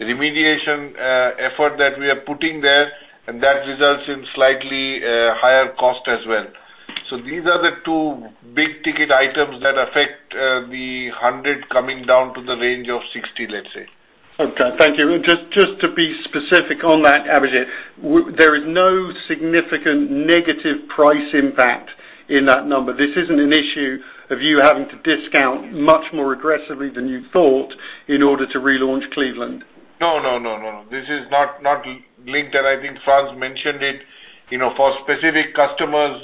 remediation effort that we are putting there, and that results in slightly higher cost as well. These are the two big-ticket items that affect the 100 coming down to the range of 60, let's say. Okay. Thank you. Just to be specific on that, Abhijit. There is no significant negative price impact in that number. This isn't an issue of you having to discount much more aggressively than you thought in order to relaunch Cleveland. No, no. This is not linked, and I think Frans mentioned it. For specific customers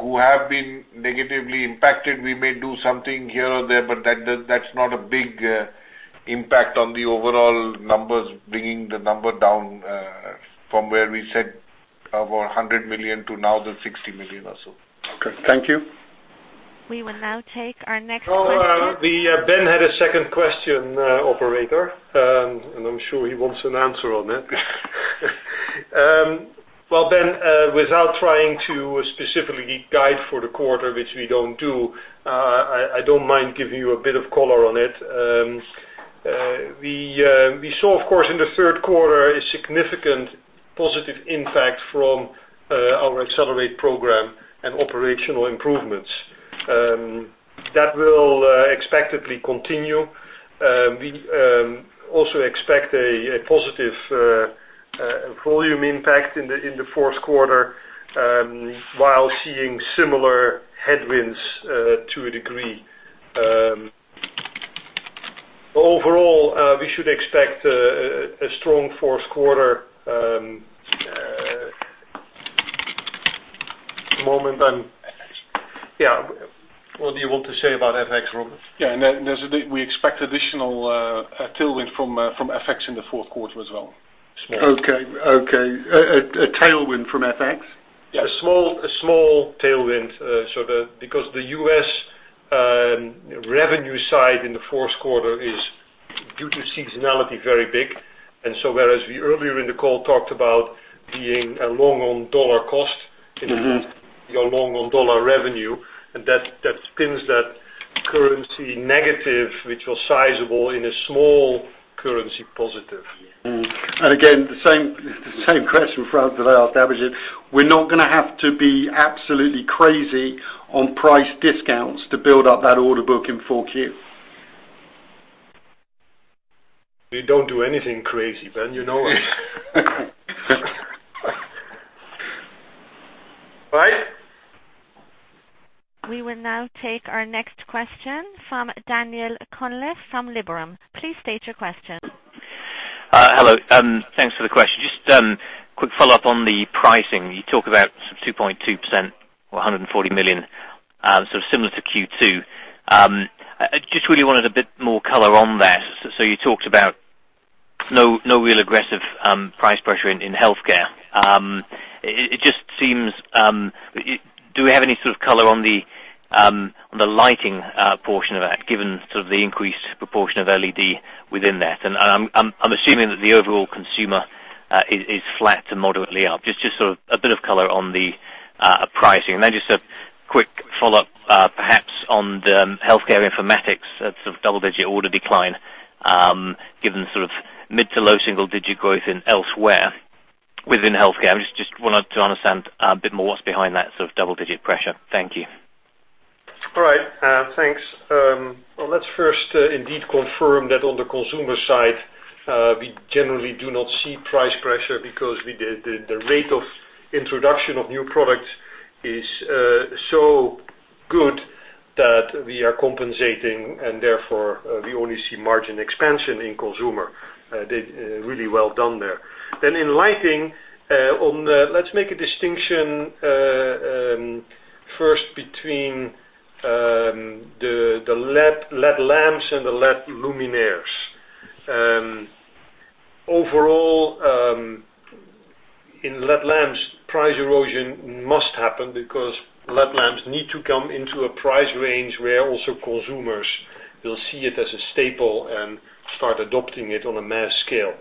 who have been negatively impacted, we may do something here or there, but that's not a big impact on the overall numbers, bringing the number down, from where we said about 100 million to now the 60 million or so. Okay. Thank you. We will now take our next question. Oh, Ben had a second question, operator. I'm sure he wants an answer on it. Well, Ben, without trying to specifically guide for the quarter, which we don't do, I don't mind giving you a bit of color on it. We saw, of course, in the third quarter, a significant positive impact from our Accelerate! program and operational improvements. That will expectedly continue. We also expect a positive volume impact in the fourth quarter, while seeing similar headwinds to a degree. Overall, we should expect a strong fourth quarter. What do you want to say about FX, Robin? Yeah, we expect additional tailwind from FX in the fourth quarter as well. Okay. A tailwind from FX? Yeah. A small tailwind. The U.S. revenue side in the fourth quarter is due to seasonality, very big. Whereas we earlier in the call talked about being long on dollar cost- You're long on dollar revenue, and that spins that currency negative, which was sizable, in a small currency positive. Again, the same question, Frans, that I asked Abhijit. We're not going to have to be absolutely crazy on price discounts to build up that order book in 4Q? We don't do anything crazy, Ben, you know us. Right. We will now take our next question from Daniela Cuneo from Liberum. Please state your question. Hello, thanks for the question. Just quick follow-up on the pricing. You talk about 2.2% or 140 million, so similar to Q2. I just really wanted a bit more color on there. You talked about no real aggressive price pressure in healthcare. Do we have any sort of color on the lighting portion of that, given sort of the increased proportion of LED within that? I'm assuming that the overall consumer is flat to moderately up. Just a bit of color on the pricing. Then just a quick follow-up, perhaps on the healthcare informatics, that's of double-digit order decline, given sort of mid to low single-digit growth in elsewhere within healthcare. I just wanted to understand a bit more what's behind that sort of double-digit pressure. Thank you. All right. Thanks. Let's first indeed confirm that on the consumer side, we generally do not see price pressure because the rate of introduction of new products is so good that we are compensating and therefore we only see margin expansion in consumer. They did really well down there. In lighting, let's make a distinction first between the LED lamps and the LED luminaires. Overall, in LED lamps, price erosion must happen because LED lamps need to come into a price range where also consumers will see it as a staple and start adopting it on a mass scale.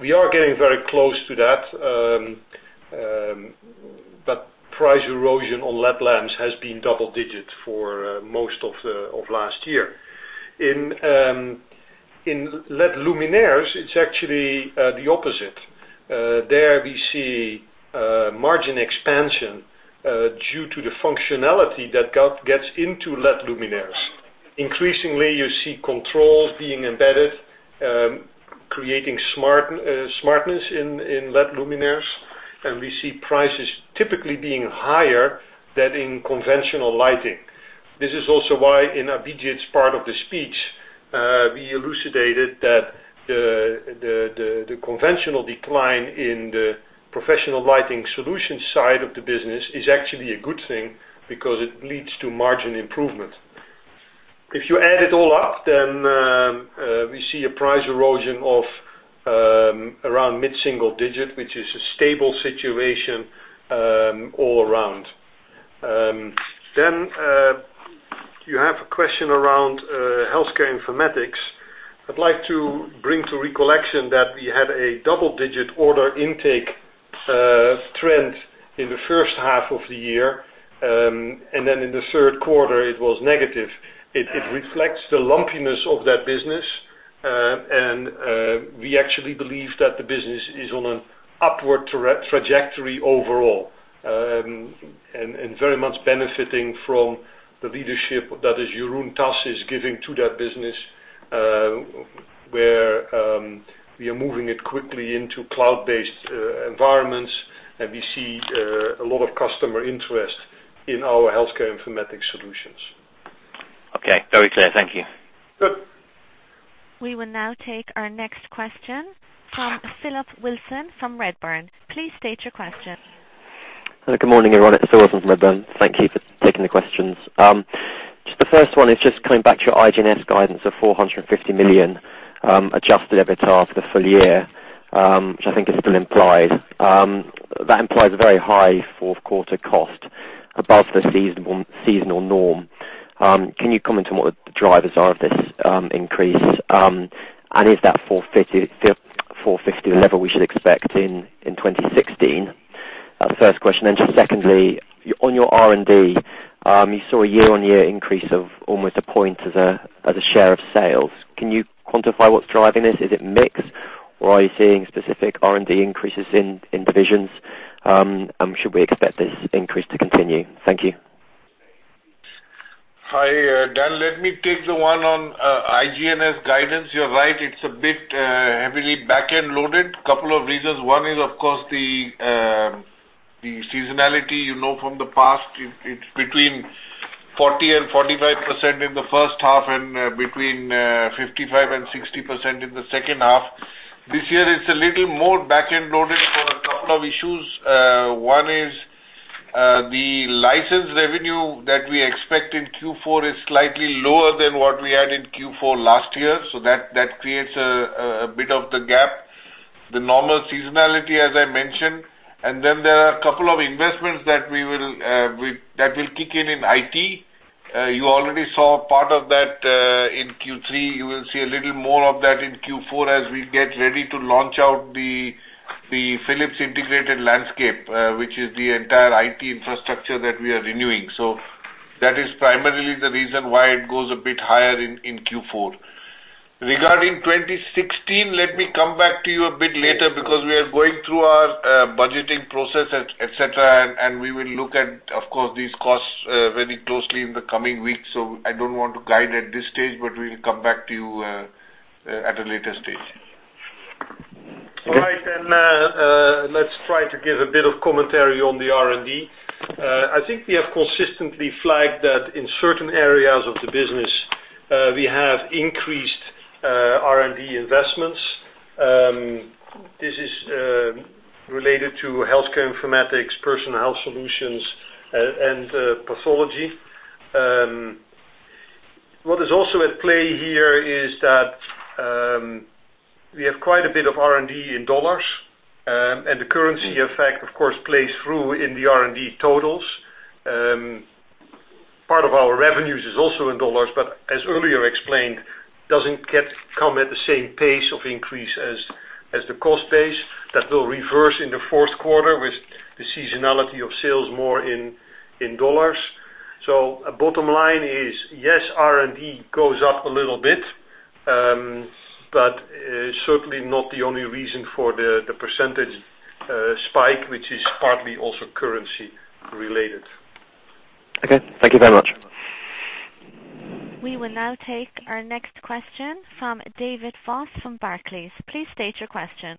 We are getting very close to that. Price erosion on LED lamps has been double digits for most of last year. In LED luminaires, it's actually the opposite. There we see margin expansion due to the functionality that gets into LED luminaires. Increasingly, you see controls being embedded, creating smartness in LED luminaires, and we see prices typically being higher than in conventional lighting. This is also why in Abhijit's part of the speech, we elucidated that the conventional decline in the professional lighting solutions side of the business is actually a good thing because it leads to margin improvement. If you add it all up, we see a price erosion of around mid-single digit, which is a stable situation all around. You have a question around healthcare informatics. I'd like to bring to recollection that we had a double-digit order intake trend in the first half of the year, in the third quarter, it was negative. It reflects the lumpiness of that business. We actually believe that the business is on an upward trajectory overall, very much benefiting from the leadership that Jeroen Tas is giving to that business, where we are moving it quickly into cloud-based environments. We see a lot of customer interest in our healthcare informatics solutions. Okay, very clear. Thank you. Good. We will now take our next question from Philip Wilson from Redburn. Please state your question. Hello, good morning, everyone. It's Phil Wilson from Redburn. Thank you for taking the questions. The first one is coming back to your IG&S guidance of 450 million adjusted EBITDA for the full year, which I think is still implied. That implies a very high fourth quarter cost above the seasonal norm. Can you comment on what the drivers are of this increase? Is that 450 the level we should expect in 2016? First question, secondly, on your R&D, you saw a year-on-year increase of almost a point as a share of sales. Can you quantify what's driving this? Is it mix, or are you seeing specific R&D increases in divisions? Should we expect this increase to continue? Thank you. Hi, Dan. Let me take the one on IG&S guidance. You're right, it's a bit heavily back-end loaded. Couple of reasons. One is, of course, the seasonality. You know from the past, it's between 40%-45% in the first half and between 55%-60% in the second half. This year, it's a little more back-end loaded for a couple of issues. One is the license revenue that we expect in Q4 is slightly lower than what we had in Q4 last year. That creates a bit of the gap. The normal seasonality, as I mentioned. Then there are a couple of investments that will kick in IT. You already saw part of that in Q3. You will see a little more of that in Q4 as we get ready to launch out the Philips Integrated Landscape, which is the entire IT infrastructure that we are renewing. That is primarily the reason why it goes a bit higher in Q4. Regarding 2016, let me come back to you a bit later because we are going through our budgeting process, et cetera, and we will look at, of course, these costs very closely in the coming weeks. I don't want to guide at this stage, but we will come back to you at a later stage. All right. Let's try to give a bit of commentary on the R&D. I think we have consistently flagged that in certain areas of the business, we have increased R&D investments. This is related to healthcare informatics, personal health solutions, and pathology. What is also at play here is that we have quite a bit of R&D in USD, and the currency effect, of course, plays through in the R&D totals. Part of our revenues is also in USD, but as earlier explained, doesn't come at the same pace of increase as the cost base. That will reverse in the fourth quarter with the seasonality of sales more in USD. Bottom line is, yes, R&D goes up a little bit, but it's certainly not the only reason for the % spike, which is partly also currency related. Okay. Thank you very much. We will now take our next question from David Vos from Barclays. Please state your question.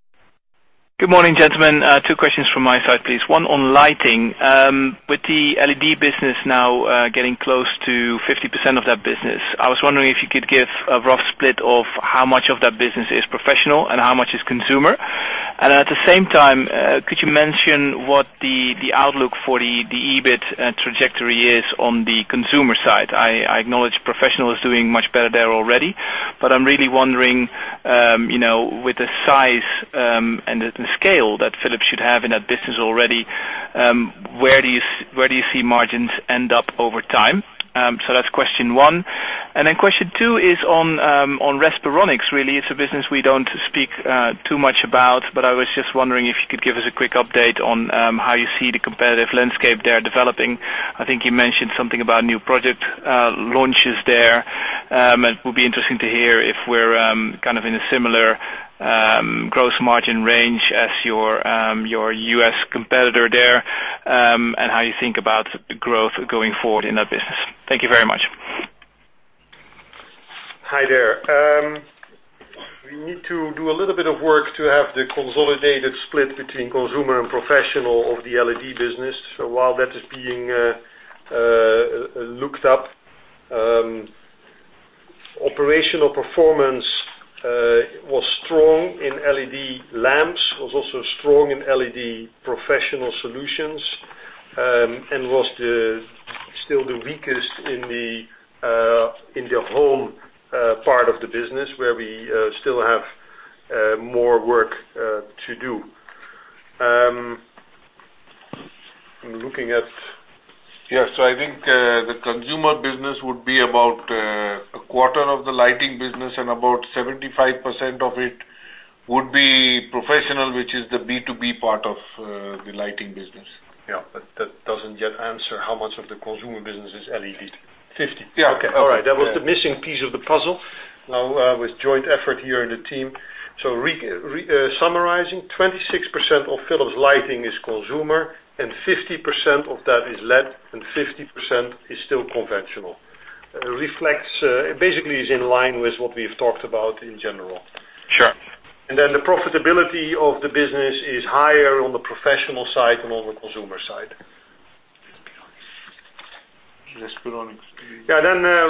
Good morning, gentlemen. Two questions from my side, please. One on lighting. With the LED business now getting close to 50% of that business, I was wondering if you could give a rough split of how much of that business is professional and how much is consumer. At the same time, could you mention what the outlook for the EBIT trajectory is on the consumer side? I acknowledge professional is doing much better there already, but I am really wondering, with the size and the scale that Philips should have in that business already, where do you see margins end up over time? That's question one. Question two is on Respironics. Really, it's a business we don't speak too much about, but I was just wondering if you could give us a quick update on how you see the competitive landscape there developing. I think you mentioned something about new project launches there, and it would be interesting to hear if we're in a similar gross margin range as your U.S. competitor there and how you think about growth going forward in that business. Thank you very much. Hi there. We need to do a little bit of work to have the consolidated split between consumer and professional of the LED business. While that is being looked up, operational performance was strong in LED lamps. Operational performance was also strong in LED professional solutions, and was still the weakest in the home part of the business, where we still have more work to do. Yes. I think the consumer business would be about a quarter of the lighting business, and about 75% of it would be professional, which is the B2B part of the lighting business. Yeah. That doesn't yet answer how much of the consumer business is LED. 50. Yeah, okay. All right. That was the missing piece of the puzzle. With joint effort here in the team. Summarizing, 26% of Philips Lighting is consumer, 50% of that is LED, and 50% is still conventional. Basically is in line with what we've talked about in general. Sure. The profitability of the business is higher on the professional side than on the consumer side. Respironics.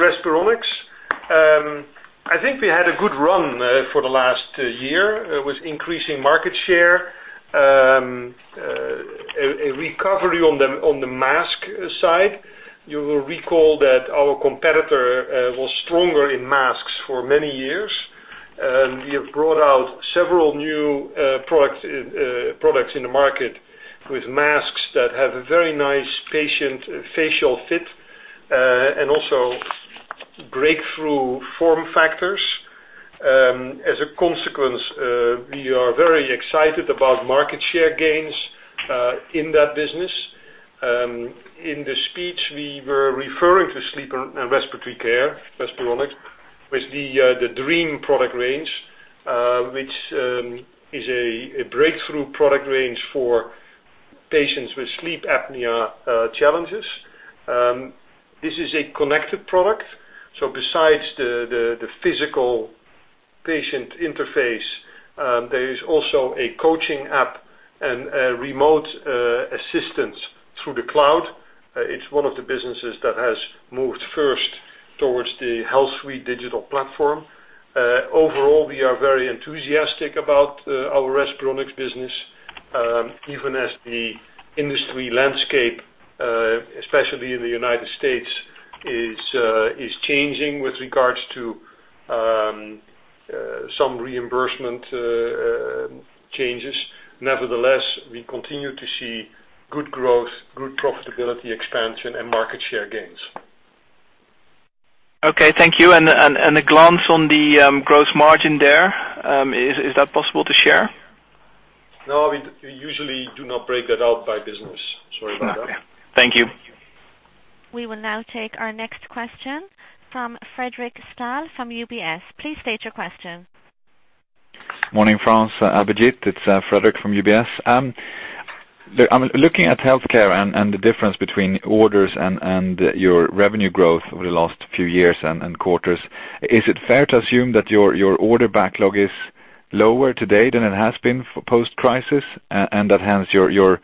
Respironics. I think we had a good run for the last year with increasing market share. A recovery on the mask side. You will recall that our competitor was stronger in masks for many years, and we have brought out several new products in the market with masks that have a very nice patient facial fit, and also breakthrough form factors. As a consequence, we are very excited about market share gains in that business. In the speech, we were referring to sleep and respiratory care, Respironics, with the Dream product range, which is a breakthrough product range for patients with sleep apnea challenges. This is a connected product, so besides the physical patient interface, there is also a coaching app and remote assistance through the cloud. It's one of the businesses that has moved first towards the HealthSuite digital platform. Overall, we are very enthusiastic about our Respironics business, even as the industry landscape, especially in the U.S., is changing with regards to some reimbursement changes. We continue to see good growth, good profitability expansion, and market share gains. Okay, thank you. A glance on the gross margin there. Is that possible to share? No, we usually do not break that out by business. Sorry about that. Okay. Thank you. We will now take our next question from Fredric Stahl from UBS. Please state your question. Morning, Frans, Abhijit, it's Fredric from UBS. Looking at healthcare and the difference between orders and your revenue growth over the last few years and quarters, is it fair to assume that your order backlog is lower today than it has been for post-crisis, that hence, you're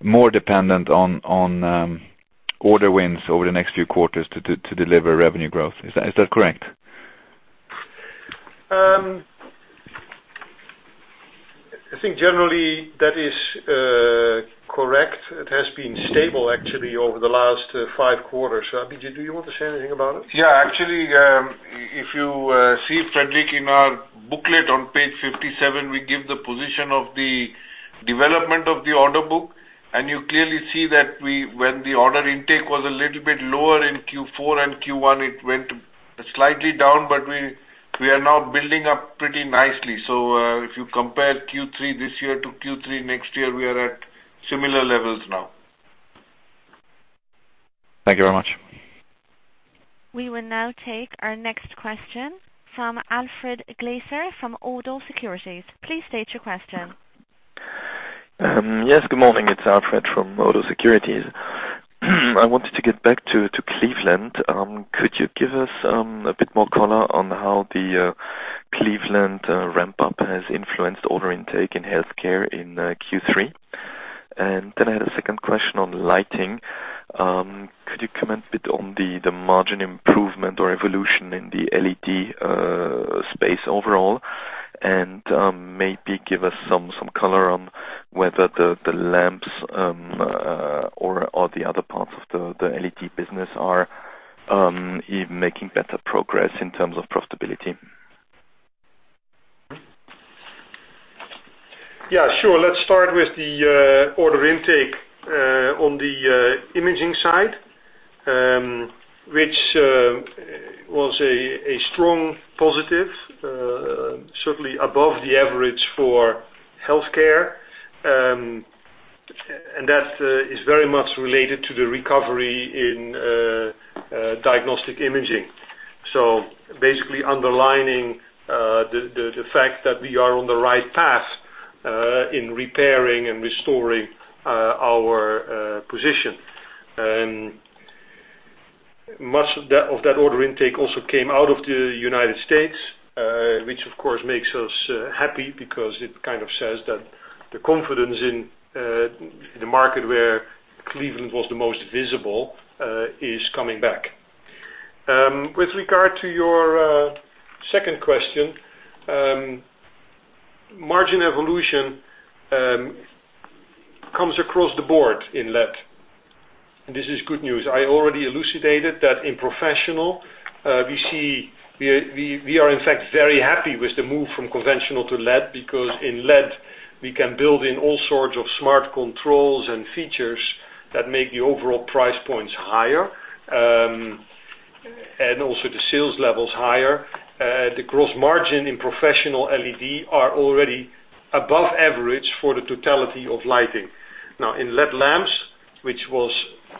more dependent on order wins over the next few quarters to deliver revenue growth? Is that correct? I think generally that is correct. It has been stable actually over the last five quarters. Abhijit, do you want to say anything about it? Actually, if you see, Fredric, in our booklet on page 57, we give the position of the development of the order book, you clearly see that when the order intake was a little bit lower in Q4 and Q1, it went slightly down, we are now building up pretty nicely. If you compare Q3 this year to Q3 next year, we are at similar levels now. Thank you very much. We will now take our next question from Alfred Glaser from Oddo Securities. Please state your question. Yes, good morning. It's Alfred from Oddo Securities. I wanted to get back to Cleveland. Could you give us a bit more color on how the Cleveland ramp-up has influenced order intake in healthcare in Q3? Then I had a second question on lighting. Could you comment a bit on the margin improvement or evolution in the LED space overall, and maybe give us some color on whether the lamps or the other parts of the LED business are making better progress in terms of profitability? Yeah, sure. Let's start with the order intake on the imaging side, which was a strong positive, certainly above the average for healthcare. That is very much related to the recovery in diagnostic imaging. Basically underlining the fact that we are on the right path in repairing and restoring our position. Much of that order intake also came out of the United States, which of course makes us happy because it kind of says that the confidence in the market where Cleveland was the most visible is coming back. With regard to your second question, margin evolution comes across the board in LED, and this is good news. I already elucidated that in professional. We are, in fact, very happy with the move from conventional to LED because in LED, we can build in all sorts of smart controls and features that make the overall price points higher, and also the sales levels higher. The gross margin in professional LED are already above average for the totality of lighting. Now in LED lamps, which was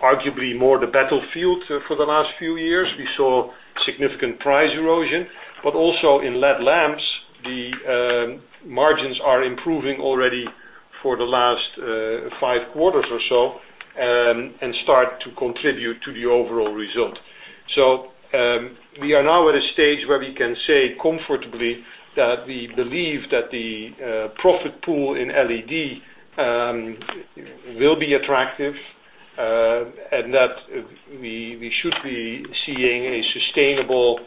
arguably more the battlefield for the last few years, we saw significant price erosion. Also in LED lamps, the margins are improving already for the last five quarters or so and start to contribute to the overall result. We are now at a stage where we can say comfortably that we believe that the profit pool in LED will be attractive, and that we should be seeing a sustainable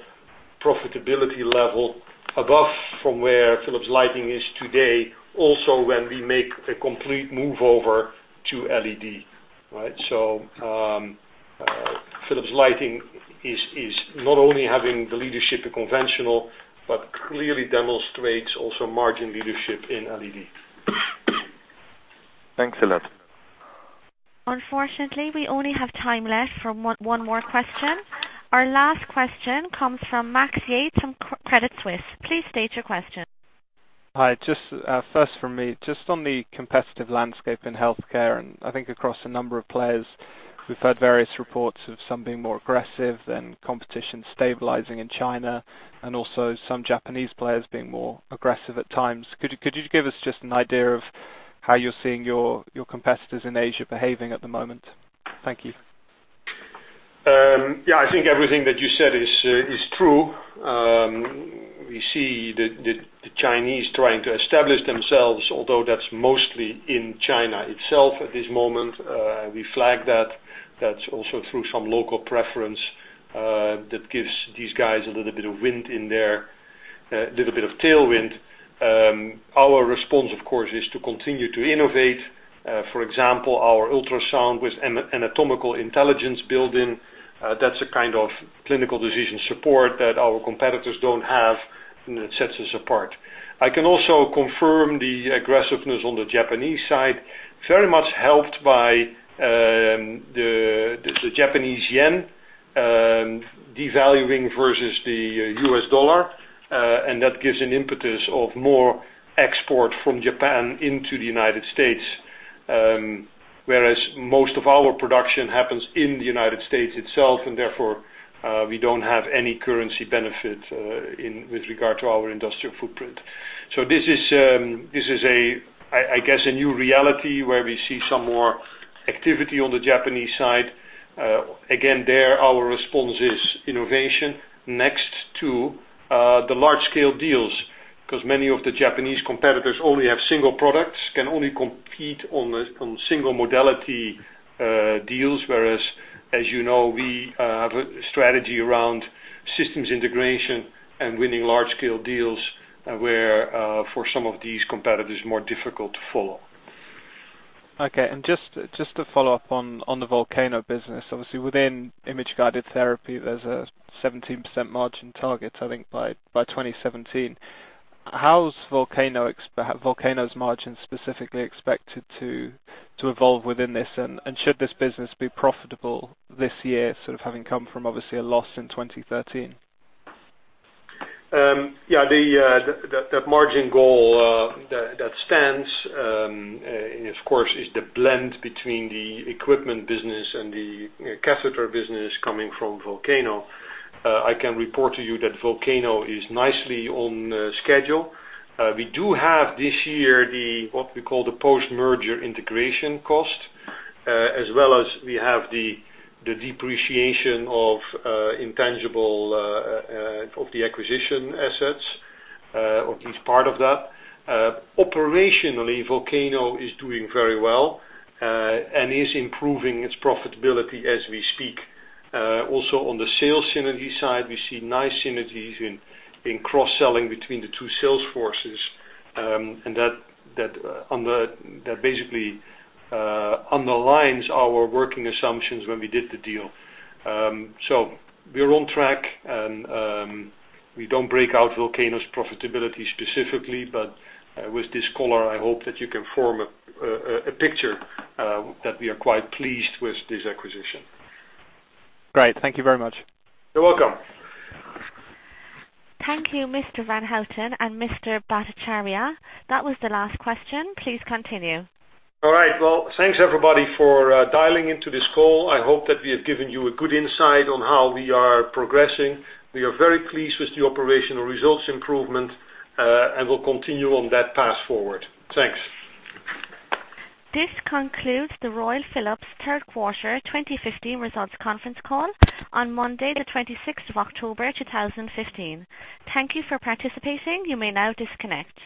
profitability level above from where Philips Lighting is today, also when we make a complete move over to LED. Right. Philips Lighting is not only having the leadership in conventional, but clearly demonstrates also margin leadership in LED. Thanks a lot. Unfortunately, we only have time left for one more question. Our last question comes from Max Yates from Credit Suisse. Please state your question. Hi, first from me, just on the competitive landscape in healthcare. I think across a number of players, we've heard various reports of some being more aggressive and competition stabilizing in China and also some Japanese players being more aggressive at times. Could you give us just an idea of how you're seeing your competitors in Asia behaving at the moment? Thank you. Yeah, I think everything that you said is true. We see the Chinese trying to establish themselves, although that's mostly in China itself at this moment. We flag that. That's also through some local preference that gives these guys a little bit of tailwind. Our response, of course, is to continue to innovate. For example, our ultrasound with anatomical intelligence built in. That's a kind of clinical decision support that our competitors don't have, and that sets us apart. I can also confirm the aggressiveness on the Japanese side, very much helped by the Japanese yen devaluing versus the U.S. dollar, and that gives an impetus of more export from Japan into the U.S. Whereas most of our production happens in the U.S. itself, and therefore, we don't have any currency benefit with regard to our industrial footprint. This is, I guess, a new reality where we see some more activity on the Japanese side. Again, there, our response is innovation next to the large-scale deals. Many of the Japanese competitors only have single products, can only compete on single modality deals. As you know, we have a strategy around systems integration and winning large-scale deals, where, for some of these competitors, more difficult to follow. Okay. Just to follow up on the Volcano business. Obviously, within Image-Guided Therapy, there's a 17% margin target, I think, by 2017. How's Volcano's margin specifically expected to evolve within this? Should this business be profitable this year, sort of having come from, obviously, a loss in 2013? Yeah. That margin goal, that stands, and of course, is the blend between the equipment business and the catheter business coming from Volcano. I can report to you that Volcano is nicely on schedule. We do have this year, what we call the post-merger integration cost, as well as we have the depreciation of intangible, of the acquisition assets, or at least part of that. Operationally, Volcano is doing very well and is improving its profitability as we speak. Also, on the sales synergy side, we see nice synergies in cross-selling between the two sales forces. That basically underlines our working assumptions when we did the deal. We are on track. We don't break out Volcano's profitability specifically, but with this call, I hope that you can form a picture that we are quite pleased with this acquisition. Great. Thank you very much. You're welcome. Thank you, Mr. Van Houten and Mr. Bhattacharya. That was the last question. Please continue. All right. Well, thanks everybody for dialing into this call. I hope that we have given you a good insight on how we are progressing. We are very pleased with the operational results improvement, and we'll continue on that path forward. Thanks. This concludes the Royal Philips third quarter 2015 results conference call on Monday, the 26th of October, 2015. Thank you for participating. You may now disconnect.